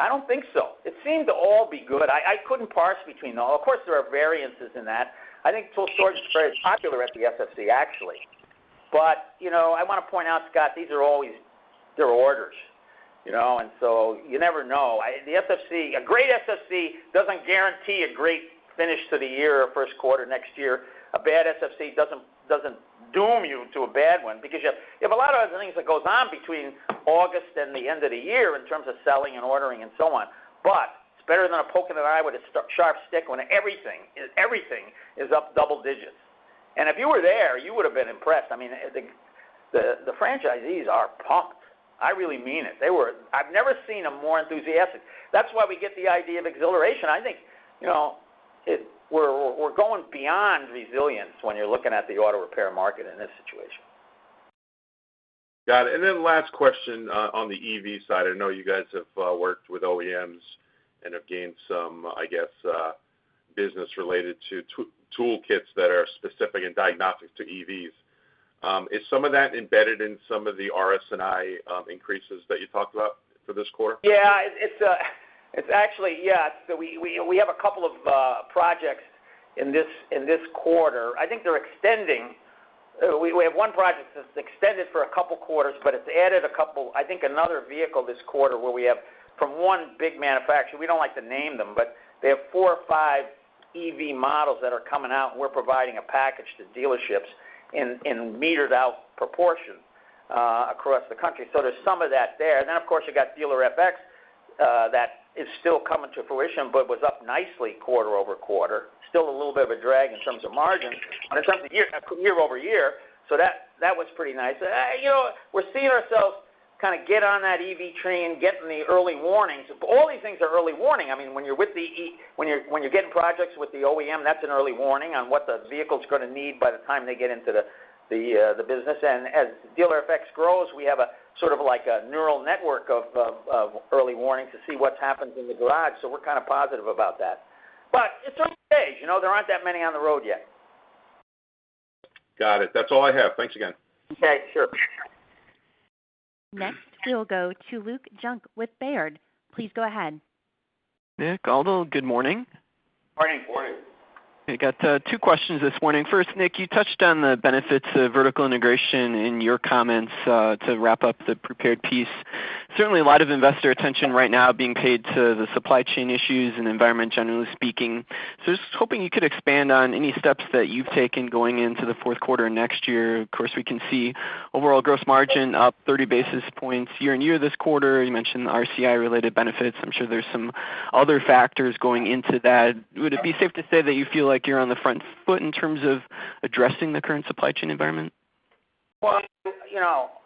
don't think so. It seemed to all be good. I couldn't parse between all. Of course, there are variances in that. I think tool storage is very popular at the SFC actually. I want to point out, Scott, these are always They're orders. You never know. A great SFC doesn't guarantee a great finish to the year or first quarter next year. A bad SFC doesn't doom you to a bad one because you have a lot of other things that goes on between August and the end of the year in terms of selling and ordering and so on. It's better than a poke in the eye with a sharp stick when everything is up double digits. If you were there, you would've been impressed. I mean, the franchisees are pumped. I really mean it. I've never seen them more enthusiastic. That's why we get the idea of exhilaration. I think we're going beyond resilience when you're looking at the auto repair market in this situation. Got it. Last question on the EV side. I know you guys have worked with OEMs and have gained some, I guess, business related to toolkits that are specific in diagnostics to EVs. Is some of that embedded in some of the RS&I increases that you talked about for this quarter? Yeah. It's actually, yes. We have a couple of projects in this quarter. I think they're extending. We have one project that's extended for a couple of quarters, but it's added I think another vehicle this quarter where we have from one big manufacturer, we don't like to name them, but they have four or five EV models that are coming out, and we're providing a package to dealerships in metered-out proportion across the country. There's some of that there. Of course you've got Dealer-FX, that is still coming to fruition, but was up nicely quarter-over-quarter. Still a little bit of a drag in terms of margin on a year-over-year. That was pretty nice. We're seeing ourselves kind of get on that EV train, getting the early warnings. All these things are early warning. I mean, when you're getting projects with the OEM, that's an early warning on what the vehicle's going to need by the time they get into the business. As Dealer-FX grows, we have a sort of neural network of early warnings to see what's happened in the garage. We're kind of positive about that. It's early days, there aren't that many on the road yet. Got it. That's all I have. Thanks again. Okay, sure. Next, we'll go to Luke Junk with Baird. Please go ahead. Nick, Aldo, good morning. Morning. Morning. I got two questions this morning. First, Nick, you touched on the benefits of vertical integration in your comments, to wrap up the prepared piece. Certainly a lot of investor attention right now being paid to the supply chain issues and environment, generally speaking. Just hoping you could expand on any steps that you've taken going into the fourth quarter next year. Of course, we can see overall gross margin up 30 basis points year-on-year this quarter. You mentioned RCI related benefits. I'm sure there's some other factors going into that. Would it be safe to say that you feel like you're on the front foot in terms of addressing the current supply chain environment? Well,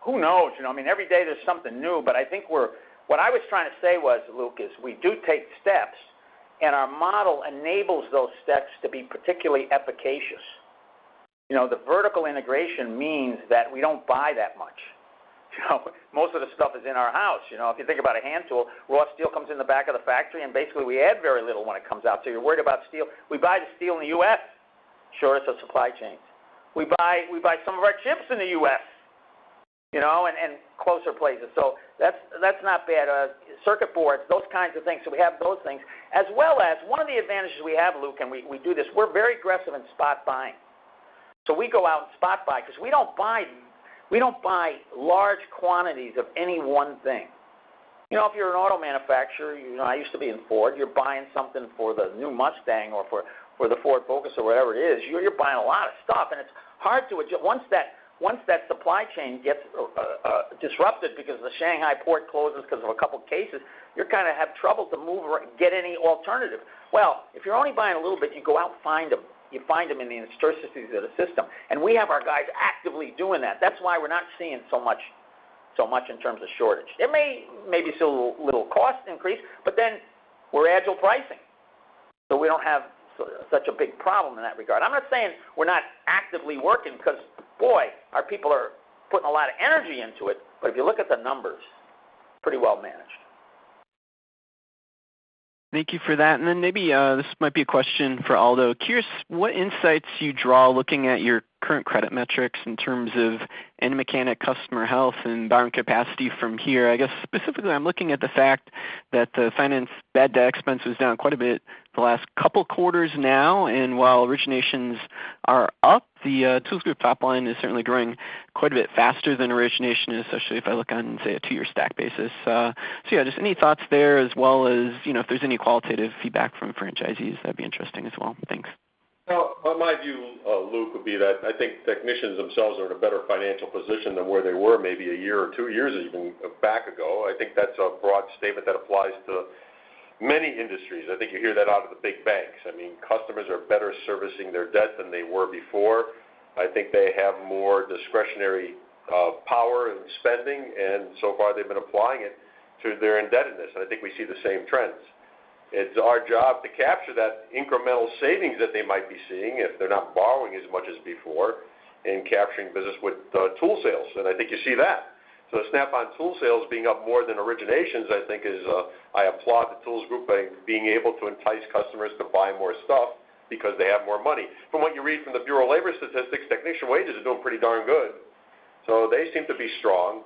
who knows? I mean, every day there's something new, but I think what I was trying to say was, Luke, is we do take steps, and our model enables those steps to be particularly efficacious. The vertical integration means that we don't buy that much. Most of the stuff is in our house. If you think about a hand tool, raw steel comes in the back of the factory, and basically we add very little when it comes out. You're worried about steel. We buy the steel in the U.S., shortest of supply chains. We buy some of our chips in the U.S., and closer places. That's not bad. Circuit boards, those kinds of things. We have those things, as well as one of the advantages we have, Luke, and we do this, we're very aggressive in spot buying. We go out and spot buy because we don't buy large quantities of any one thing. If you're an auto manufacturer, I used to be in Ford, you're buying something for the new Mustang or for the Ford Focus or whatever it is, you're buying a lot of stuff, and it's hard to, once that supply chain gets disrupted because the Shanghai port closes because of a couple cases, you kind of have trouble to get any alternative. If you're only buying a little bit, you go out and find them. You find them in the intricacies of the system, and we have our guys actively doing that. That's why we're not seeing so much in terms of shortage. There may be still a little cost increase, but then we're agile pricing. We don't have such a big problem in that regard. I'm not saying we're not actively working because boy, our people are putting a lot of energy into it, but if you look at the numbers, pretty well managed. Thank you for that. Maybe, this might be a question for Aldo. Curious what insights you draw looking at your current credit metrics in terms of any mechanic customer health and borrowing capacity from here. I guess specifically I'm looking at the fact that the finance bad debt expense was down quite a bit the last two quarters now, and while originations are up, the Snap-on Tools Group top line is certainly growing quite a bit faster than origination, especially if I look on, say, a two-year stack basis. Yeah, just any thoughts there as well as if there's any qualitative feedback from franchisees, that'd be interesting as well. Thanks. My view, Luke, would be that I think technicians themselves are in a better financial position than where they were maybe one year or two years even back ago. I think that's a broad statement that applies to many industries. I think you hear that out of the big banks. I mean, customers are better servicing their debt than they were before. I think they have more discretionary power in spending, and so far they've been applying it to their indebtedness, and I think we see the same trends. It's our job to capture that incremental savings that they might be seeing if they're not borrowing as much as before and capturing business with tool sales. I think you see that. Snap-on Tools sales being up more than originations, I think is. I applaud the Tools Group being able to entice customers to buy more stuff because they have more money. From what you read from the Bureau of Labor Statistics, technician wages are doing pretty darn good. They seem to be strong.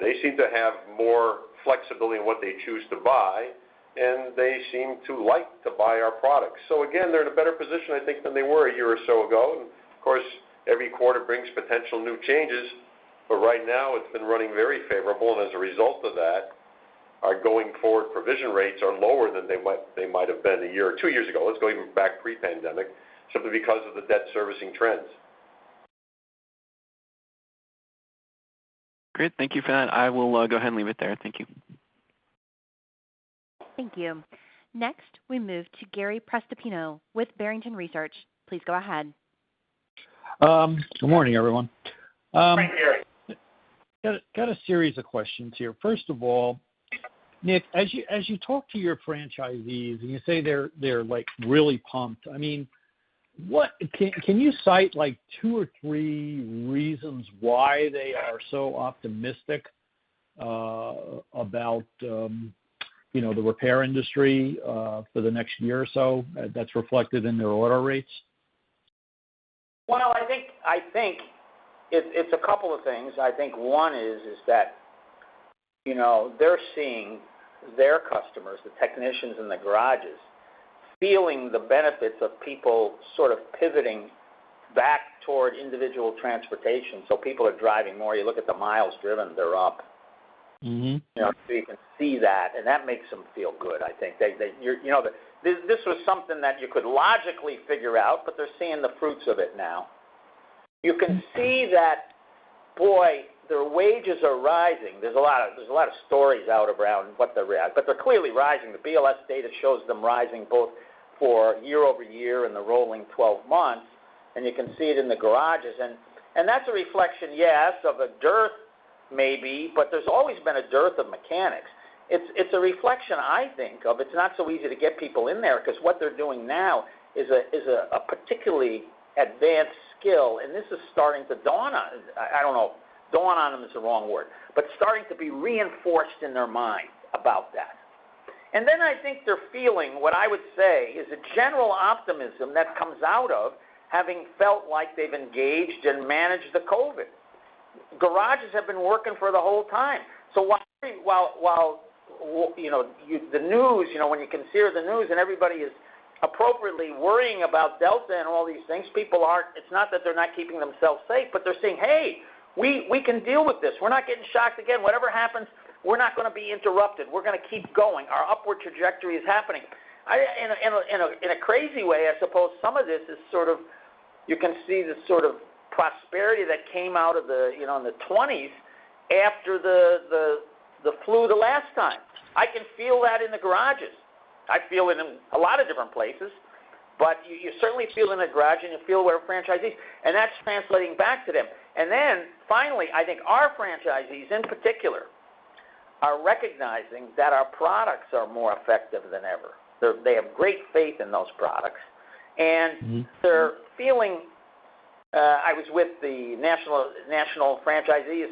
They seem to have more flexibility in what they choose to buy, and they seem to like to buy our products. Again, they're in a better position, I think, than they were a year or so ago. Of course, every quarter brings potential new changes. Right now it's been running very favorable. Our going forward provision rates are lower than they might have been a year or two years ago, let's go even back pre-pandemic, simply because of the debt servicing trends. Great. Thank you for that. I will go ahead and leave it there. Thank you. Thank you. Next, we move to Gary Prestopino with Barrington Research. Please go ahead. Good morning, everyone. Morning, Gary. Got a series of questions here. First of all, Nick, as you talk to your franchisees, and you say they're really pumped, can you cite two or three reasons why they are so optimistic about the repair industry for the next year or so that's reflected in their order rates? Well, I think it's a couple of things. I think one is that they're seeing their customers, the technicians in the garages, feeling the benefits of people sort of pivoting back toward individual transportation. People are driving more. You look at the miles driven, they're up. You can see that, and that makes them feel good, I think. This was something that you could logically figure out, but they're seeing the fruits of it now. You can see that, boy, their wages are rising. There's a lot of stories out around, but they're clearly rising. The BLS data shows them rising both for year-over-year and the rolling 12 months, and you can see it in the garages. That's a reflection, yes, of a dearth maybe, but there's always been a dearth of mechanics. It's a reflection, I think, of it's not so easy to get people in there because what they're doing now is a particularly advanced skill, and this is starting to dawn on them is the wrong word, but starting to be reinforced in their minds about that. I think they're feeling, what I would say, is a general optimism that comes out of having felt like they've engaged and managed the COVID-19. Garages have been working for the whole time. While the news, when you can see the news and everybody is appropriately worrying about Delta variant and all these things, people aren't, it's not that they're not keeping themselves safe, but they're saying, "Hey, we can deal with this. We're not getting shocked again. Whatever happens, we're not going to be interrupted. We're going to keep going. Our upward trajectory is happening." In a crazy way, I suppose some of this is sort of, you can see the sort of prosperity that came out in the 1920s after the flu the last time. I can feel that in the garages. I feel it in a lot of different places, but you certainly feel it in the garage and you feel it with our franchisees, and that's translating back to them. Finally, I think our franchisees, in particular, are recognizing that our products are more effective than ever. They have great faith in those products, and they're feeling I was with the national franchisees,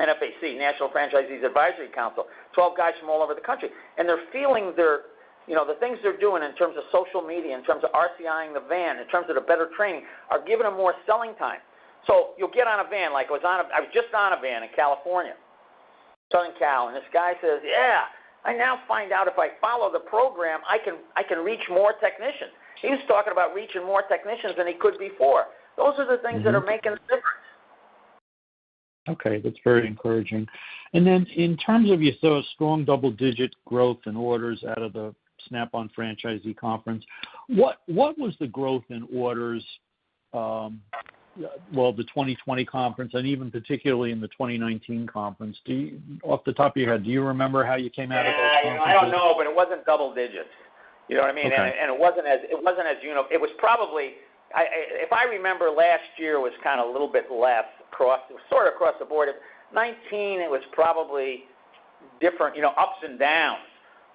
NFAC, National Franchise Advisory Council, 12 guys from all over the country, and they're feeling the things they're doing in terms of social media, in terms of RCI-ing the van, in terms of the better training, are giving them more selling time. You'll get on a van, like I was just on a van in California, Southern Cal, and this guy says, "Yeah, I now find out if I follow the program, I can reach more technicians." He was talking about reaching more technicians than he could before. Those are the things that are making a difference. Okay. That's very encouraging. In terms of you saw strong double-digit growth in orders out of the Snap-on Franchisee Conference, what was the growth in orders, well, the 2020 conference, and even particularly in the 2019 conference? Off the top of your head, do you remember how you came out of that conference? I don't know, but it wasn't double digits. You know what I mean? Okay. It was probably, if I remember, last year was kind of a little bit less across, it was sort of across the board. 2019, it was probably different, ups and downs.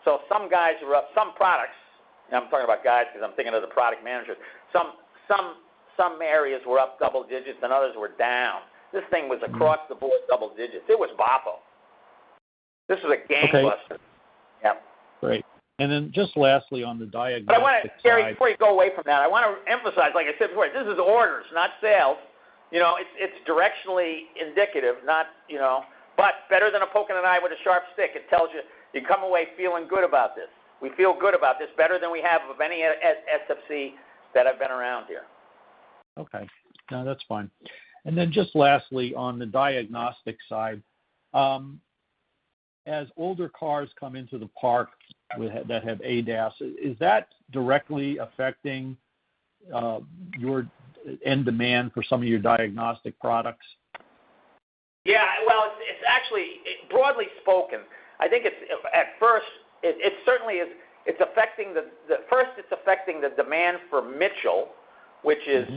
Some guys were up, some products, and I'm talking about guys because I'm thinking of the product managers. Some areas were up double digits, and others were down. This thing was across the board double digits. It was boffo. This was a gangbuster. Okay. Yep. Great. Just lastly, on the diagnostic side. I want to, Gary, before you go away from that, I want to emphasize, like I said before, this is orders, not sales. It is directionally indicative, but better than a poke in the eye with a sharp stick. It tells you come away feeling good about this. We feel good about this, better than we have of any SFC that I have been around here. Okay. No, that's fine. Just lastly, on the diagnostic side, as older cars come into the park that have ADAS, is that directly affecting your end demand for some of your diagnostic products? Yeah. Well, it's actually, broadly spoken, I think at first it certainly is affecting the demand for Mitchell, which is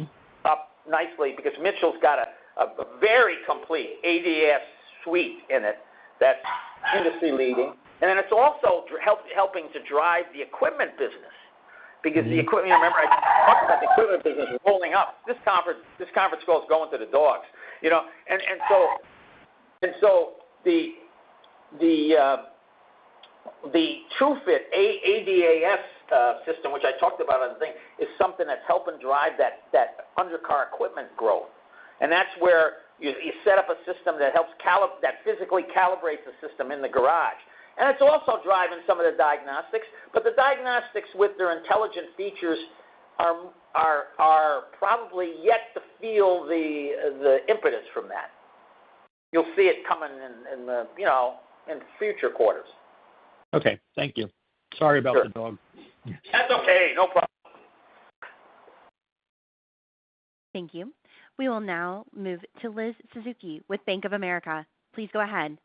up nicely because Mitchell's got a very complete ADAS suite in it that's industry-leading. Then it's also helping to drive the equipment business because the equipment, remember, I talked about the equipment business was holding up. This conference call's going to the dogs. The Tru-Point ADAS system, which I talked about, I think, is something that's helping drive that under-car equipment growth, and that's where you set up a system that physically calibrates the system in the garage. It's also driving some of the diagnostics, but the diagnostics with their intelligent features are probably yet to feel the impetus from that. You'll see it coming in future quarters. Okay. Thank you. Sorry about the dog. Sure. That's okay. No problem. Thank you. We will now move to Liz Suzuki with Bank of America. Please go ahead.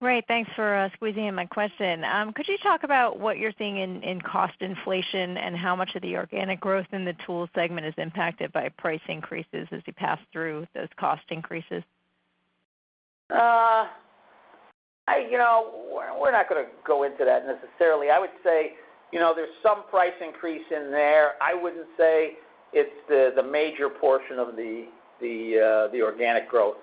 Great. Thanks for squeezing in my question. Could you talk about what you're seeing in cost inflation and how much of the organic growth in the tools segment is impacted by price increases as you pass through those cost increases? We're not going to go into that necessarily. I would say, there's some price increase in there. I wouldn't say it's the major portion of the organic growth,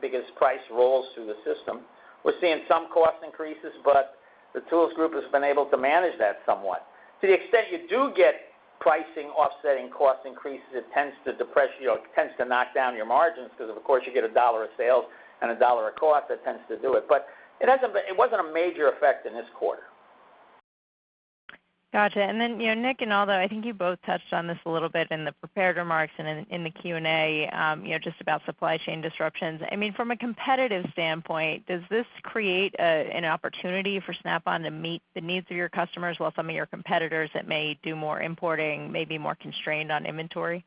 because price rolls through the system. We're seeing some cost increases. The Snap-on Tools Group has been able to manage that somewhat. To the extent you do get pricing offsetting cost increases, it tends to knock down your margins, because of course you get a dollar of sales and a dollar of cost, that tends to do it. It wasn't a major effect in this quarter. Got you. Nick and Aldo, I think you both touched on this a little bit in the prepared remarks and in the Q&A, just about supply chain disruptions. From a competitive standpoint, does this create an opportunity for Snap-on to meet the needs of your customers while some of your competitors that may do more importing may be more constrained on inventory?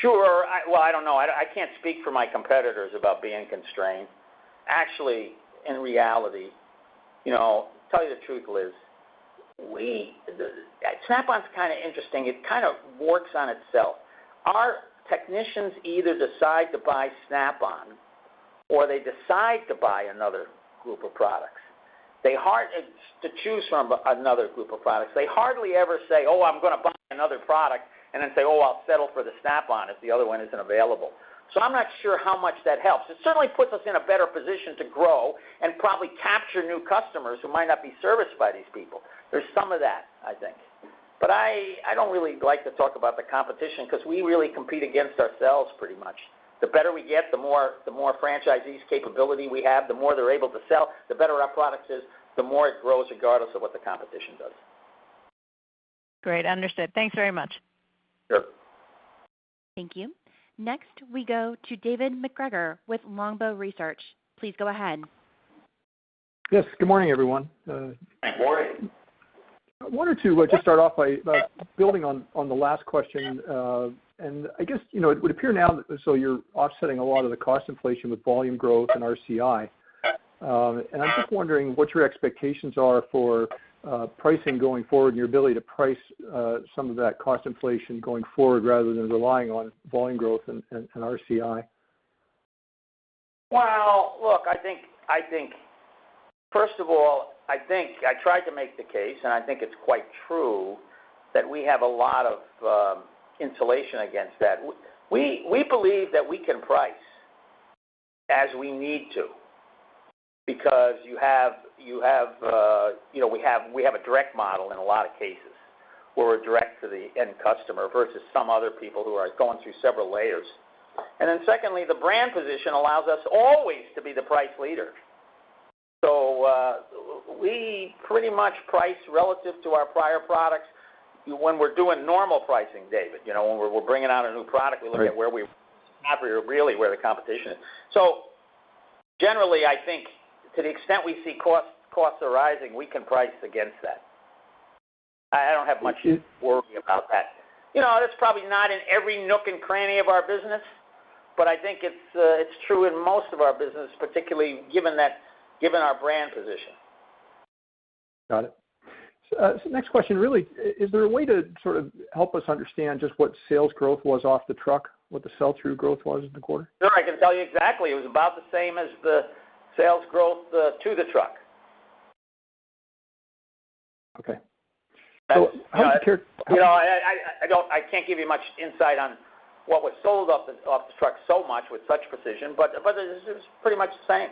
Sure. Well, I don't know. I can't speak for my competitors about being constrained. Actually, in reality, tell you the truth, Liz, Snap-on's kind of interesting. It kind of works on itself. Our technicians either decide to buy Snap-on or they decide to buy another group of products. They choose from another group of products. They hardly ever say, "Oh, I'm going to buy another product," and then say, "Oh, I'll settle for the Snap-on if the other one isn't available." I'm not sure how much that helps. It certainly puts us in a better position to grow and probably capture new customers who might not be serviced by these people. There's some of that, I think. I don't really like to talk about the competition because we really compete against ourselves pretty much. The better we get, the more franchisees capability we have, the more they're able to sell, the better our product is, the more it grows regardless of what the competition does. Great. Understood. Thanks very much. Sure. Thank you. Next, we go to David MacGregor with Longbow Research. Please go ahead. Yes, good morning, everyone. Good morning. I wanted to just start off by building on the last question. I guess, it would appear now, you're offsetting a lot of the cost inflation with volume growth and RCI. I'm just wondering what your expectations are for pricing going forward and your ability to price some of that cost inflation going forward rather than relying on volume growth and RCI. Look, first of all, I think I tried to make the case, and I think it's quite true, that we have a lot of insulation against that. We believe that we can price as we need to because we have a direct model in a lot of cases, where we're direct to the end customer versus some other people who are going through several layers. Secondly, the brand position allows us always to be the price leader. We pretty much price relative to our prior products when we're doing normal pricing, David. When we're bringing out a new product. Right. We look at where we really where the competition is. Generally, I think to the extent we see costs are rising, we can price against that. I don't have much worry about that. That's probably not in every nook and cranny of our business, but I think it's true in most of our business, particularly given our brand position. Got it. Next question, really, is there a way to sort of help us understand just what sales growth was off the truck, what the sell-through growth was in the quarter? Sure, I can tell you exactly. It was about the same as the sales growth to the truck. Okay. How do you- I can't give you much insight on what was sold off the truck so much with such precision, but it was pretty much the same.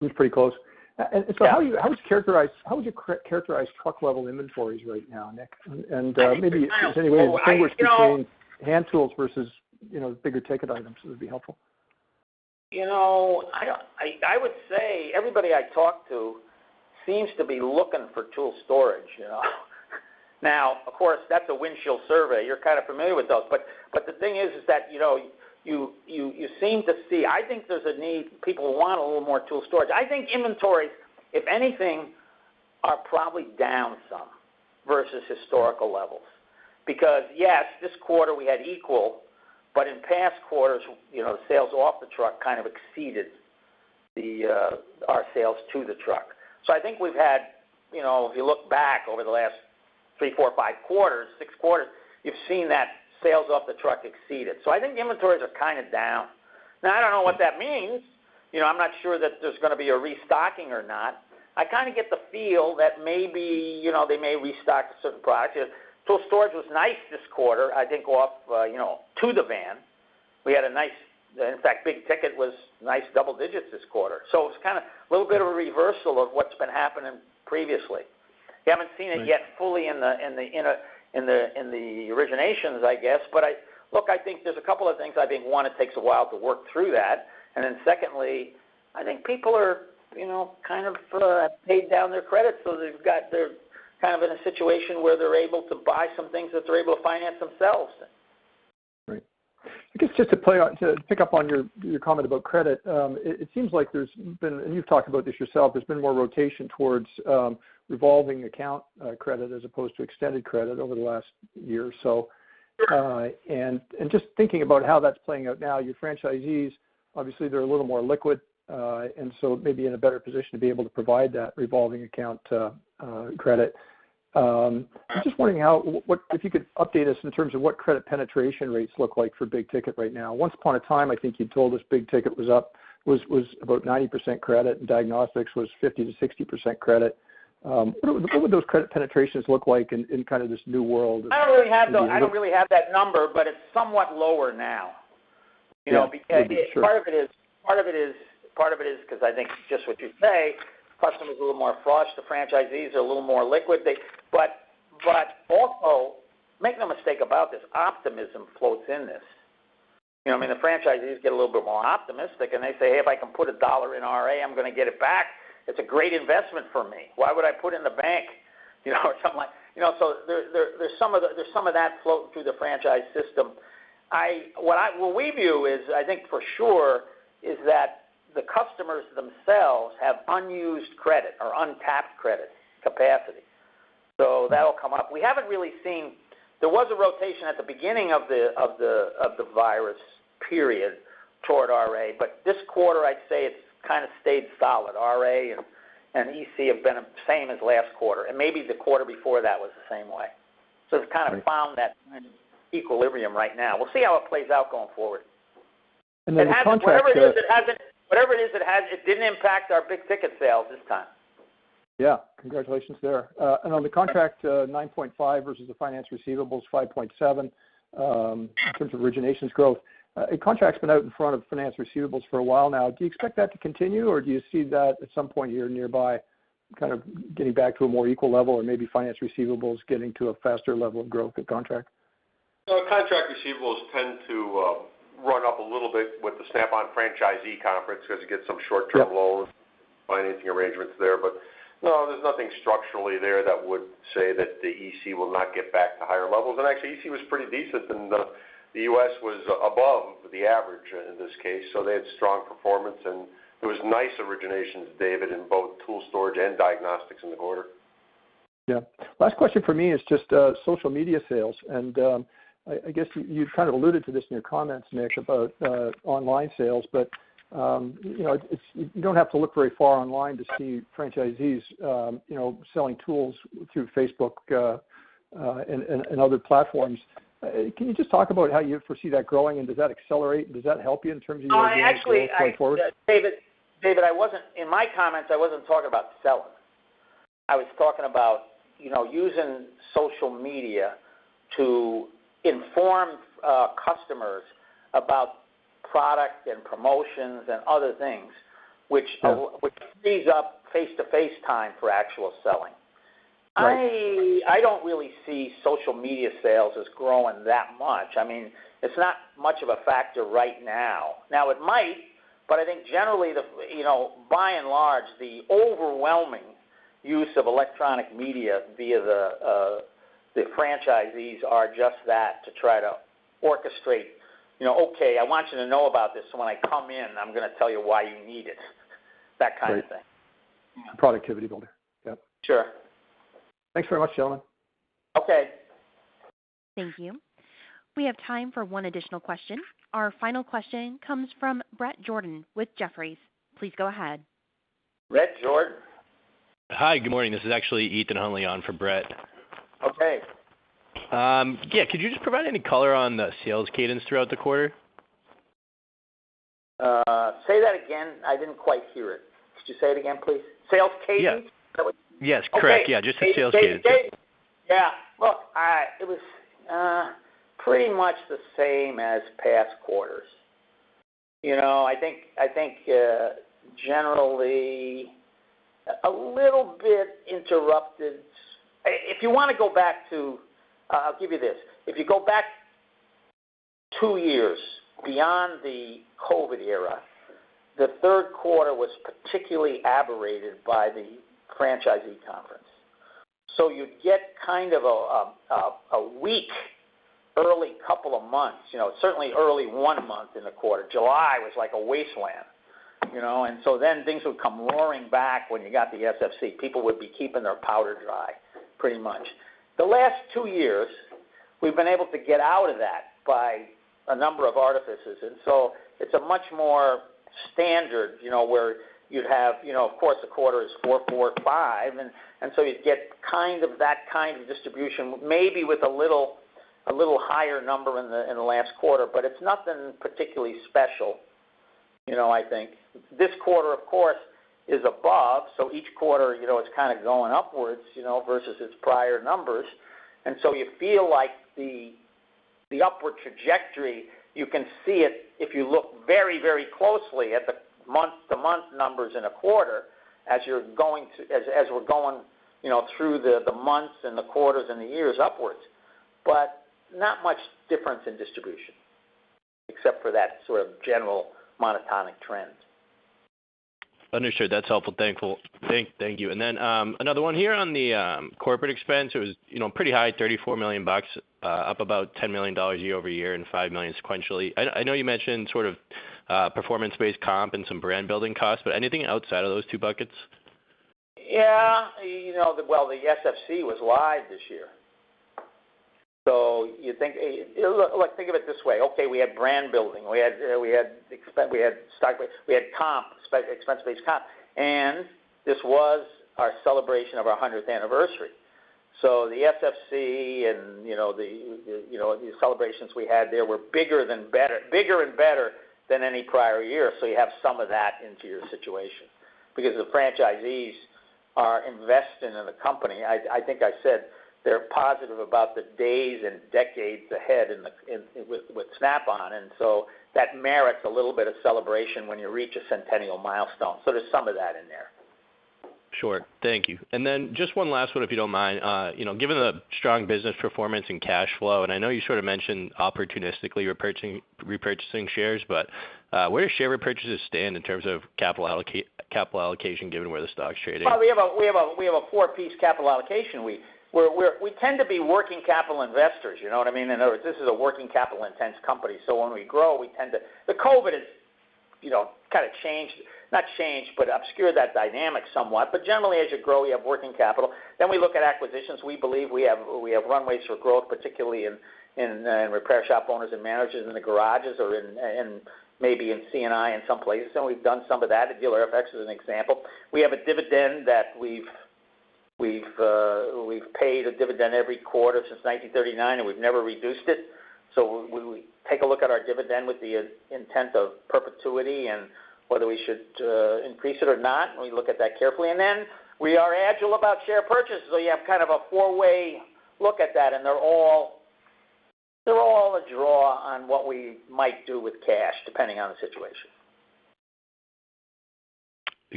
It was pretty close. Yeah. How would you characterize truck level inventories right now, Nick? I think, If there's any way to distinguish between hand tools versus bigger ticket items, it would be helpful. I would say everybody I talk to seems to be looking for tool storage. Of course, that's a windshield survey. You're kind of familiar with those. The thing is that, you seem to see, I think there's a need. People want a little more tool storage. I think inventories, if anything, are probably down some versus historical levels. Yes, this quarter we had equal, but in past quarters, sales off the truck kind of exceeded our sales to the truck. I think we've had, if you look back over the last three, four, five quarters, six quarters, you've seen that sales off the truck exceeded. I think inventories are kind of down. I don't know what that means. I'm not sure that there's going to be a restocking or not. I kind of get the feel that maybe, they may restock certain products. Tool storage was nice this quarter, I think off to the van. In fact, big ticket was nice double digits this quarter. It's kind of a little bit of a reversal of what's been happening previously. You haven't seen it yet fully in the originations, I guess. Look, I think there's a couple of things. I think, one, it takes a while to work through that. Secondly, I think people have paid down their credit, so they're in a situation where they're able to buy some things that they're able to finance themselves. Right. I guess just to pick up on your comment about credit, it seems like there's been, and you've talked about this yourself, there's been more rotation towards revolving account credit as opposed to extended credit over the last year or so. Yeah. Just thinking about how that's playing out now, your franchisees, obviously, they're a little more liquid, and so may be in a better position to be able to provide that revolving account credit. I'm just wondering if you could update us in terms of what credit penetration rates look like for big ticket right now. Once upon a time, I think you told us big ticket was about 90% credit, and diagnostics was 50%-60% credit. What would those credit penetrations look like in this new world? I don't really have that number, but it's somewhat lower now. Yeah. For sure. Part of it is because I think just what you say, customers are a little more flush, the franchisees are a little more liquid. Also, make no mistake about this, optimism floats in this. The franchisees get a little bit more optimistic, and they say, "Hey, if I can put $1 in RA, I'm going to get it back. It's a great investment for me. Why would I put it in the bank?" There's some of that floating through the franchise system. What we view is, I think for sure, is that the customers themselves have unused credit or untapped credit capacity. That'll come up. There was a rotation at the beginning of the virus period toward RA, but this quarter I'd say it's stayed solid. RA and EC have been the same as last quarter. Maybe the quarter before that was the same way. It's kind of found that equilibrium right now. We'll see how it plays out going forward. The contract. Whatever it is, it didn't impact our big ticket sales this time. Yeah. Congratulations there. On the contract, 9.5% versus the finance receivables 5.7%, in terms of originations growth. Contract's been out in front of finance receivables for a while now. Do you expect that to continue, or do you see that at some point here nearby, kind of getting back to a more equal level or maybe finance receivables getting to a faster level of growth than contract? Contract receivables tend to run up a little bit with the Snap-on Franchisee Conference because you get some short-term loans, financing arrangements there. No, there's nothing structurally there that would say that the EC will not get back to higher levels. Actually, EC was pretty decent, and the U.S. was above the average in this case. They had strong performance and there was nice originations, David, in both tool storage and diagnostics in the quarter. Yeah. Last question from me is just social media sales. I guess you kind of alluded to this in your comments, Nick, about online sales. You don't have to look very far online to see franchisees selling tools through Facebook and other platforms. Can you just talk about how you foresee that growing? Does that accelerate? Does that help you in terms of your organic growth going forward? David, in my comments, I wasn't talking about selling. I was talking about using social media to inform customers about product and promotions and other things, which frees up face-to-face time for actual selling. Right. I don't really see social media sales as growing that much. It's not much of a factor right now. Now it might. I think generally, by and large, the overwhelming use of electronic media via the franchisees are just that, to try to orchestrate, "Okay, I want you to know about this, so when I come in, I'm going to tell you why you need it." That kind of thing. Right. Productivity builder. Yep. Sure. Thanks very much, gentlemen. Okay. Thank you. We have time for one additional question. Our final question comes from Bret Jordan with Jefferies. Please go ahead. Bret Jordan. Hi, good morning. This is actually Ethan Huntley on for Bret. Okay. Yeah. Could you just provide any color on the sales cadence throughout the quarter? Say that again? I didn't quite hear it. Could you say it again, please? Sales cadence? Yes, correct. Okay. Yeah, just the sales cadence. Sales cadence. Yeah. Look, it was pretty much the same as past quarters. I think, generally, a little bit interrupted. I'll give you this. If you go back two years, beyond the COVID era, the third quarter was particularly aberrated by the Franchisee Conference. You'd get kind of a weak early couple of months. Certainly early one month in the quarter. July was like a wasteland. Things would come roaring back when you got the SFC. People would be keeping their powder dry, pretty much. The last two years, we've been able to get out of that by a number of artifices. It's a much more standard, where you'd have, of course the quarter is 445. You'd get that kind of distribution, maybe with a little higher number in the last quarter, but it's nothing particularly special, I think. This quarter, of course, is above. Each quarter is kind of going upwards, versus its prior numbers. You feel like the upward trajectory, you can see it if you look very closely at the month-to-month numbers in a quarter as we're going through the months and the quarters and the years upwards. Not much difference in distribution except for that sort of general monotonic trend. Understood. That's helpful. Thank you. Then, another one here on the corporate expense, it was pretty high, $34 million, up about $10 million year-over-year and $5 million sequentially. I know you mentioned sort of performance-based comp and some brand-building costs, anything outside of those two buckets? Yeah. Well, the SFC was live this year. Think of it this way. Okay, we had brand building, we had comp, expense-based comp, and this was our celebration of our 100th anniversary. The SFC and the celebrations we had there were bigger and better than any prior year, so you have some of that into your situation because the franchisees are investing in the company. I think I said they're positive about the days and decades ahead with Snap-on, and so that merits a little bit of celebration when you reach a centennial milestone. There's some of that in there. Sure. Thank you. Just one last one, if you don't mind. Given the strong business performance and cash flow, and I know you sort of mentioned opportunistically repurchasing shares, but where do share repurchases stand in terms of capital allocation given where the stock's trading? We have a four-piece capital allocation. We tend to be working capital investors, you know what I mean? In other words, this is a working capital intense company. When we grow, COVID-19 has kind of changed, not changed, but obscured that dynamic somewhat. Generally, as you grow, you have working capital. We look at acquisitions. We believe we have runways for growth, particularly in repair shop owners and managers in the garages or maybe in C&I in some places. We've done some of that at Dealer-FX as an example. We have a dividend that we've paid a dividend every quarter since 1939. We've never reduced it. We take a look at our dividend with the intent of perpetuity and whether we should increase it or not. We look at that carefully. We are agile about share purchases, so you have kind of a four-way look at that, and they're all a draw on what we might do with cash, depending on the situation.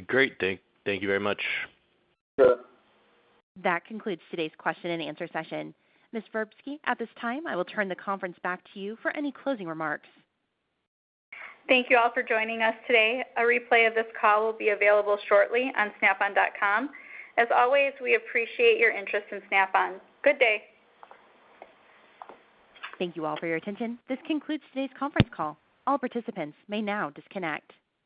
Great. Thank you very much. Sure. That concludes today's question and answer session. Ms. Verbsky, at this time, I will turn the conference back to you for any closing remarks. Thank you all for joining us today. A replay of this call will be available shortly on snapon.com. As always, we appreciate your interest in Snap-on. Good day. Thank you all for your attention. This concludes today's conference call. All participants may now disconnect.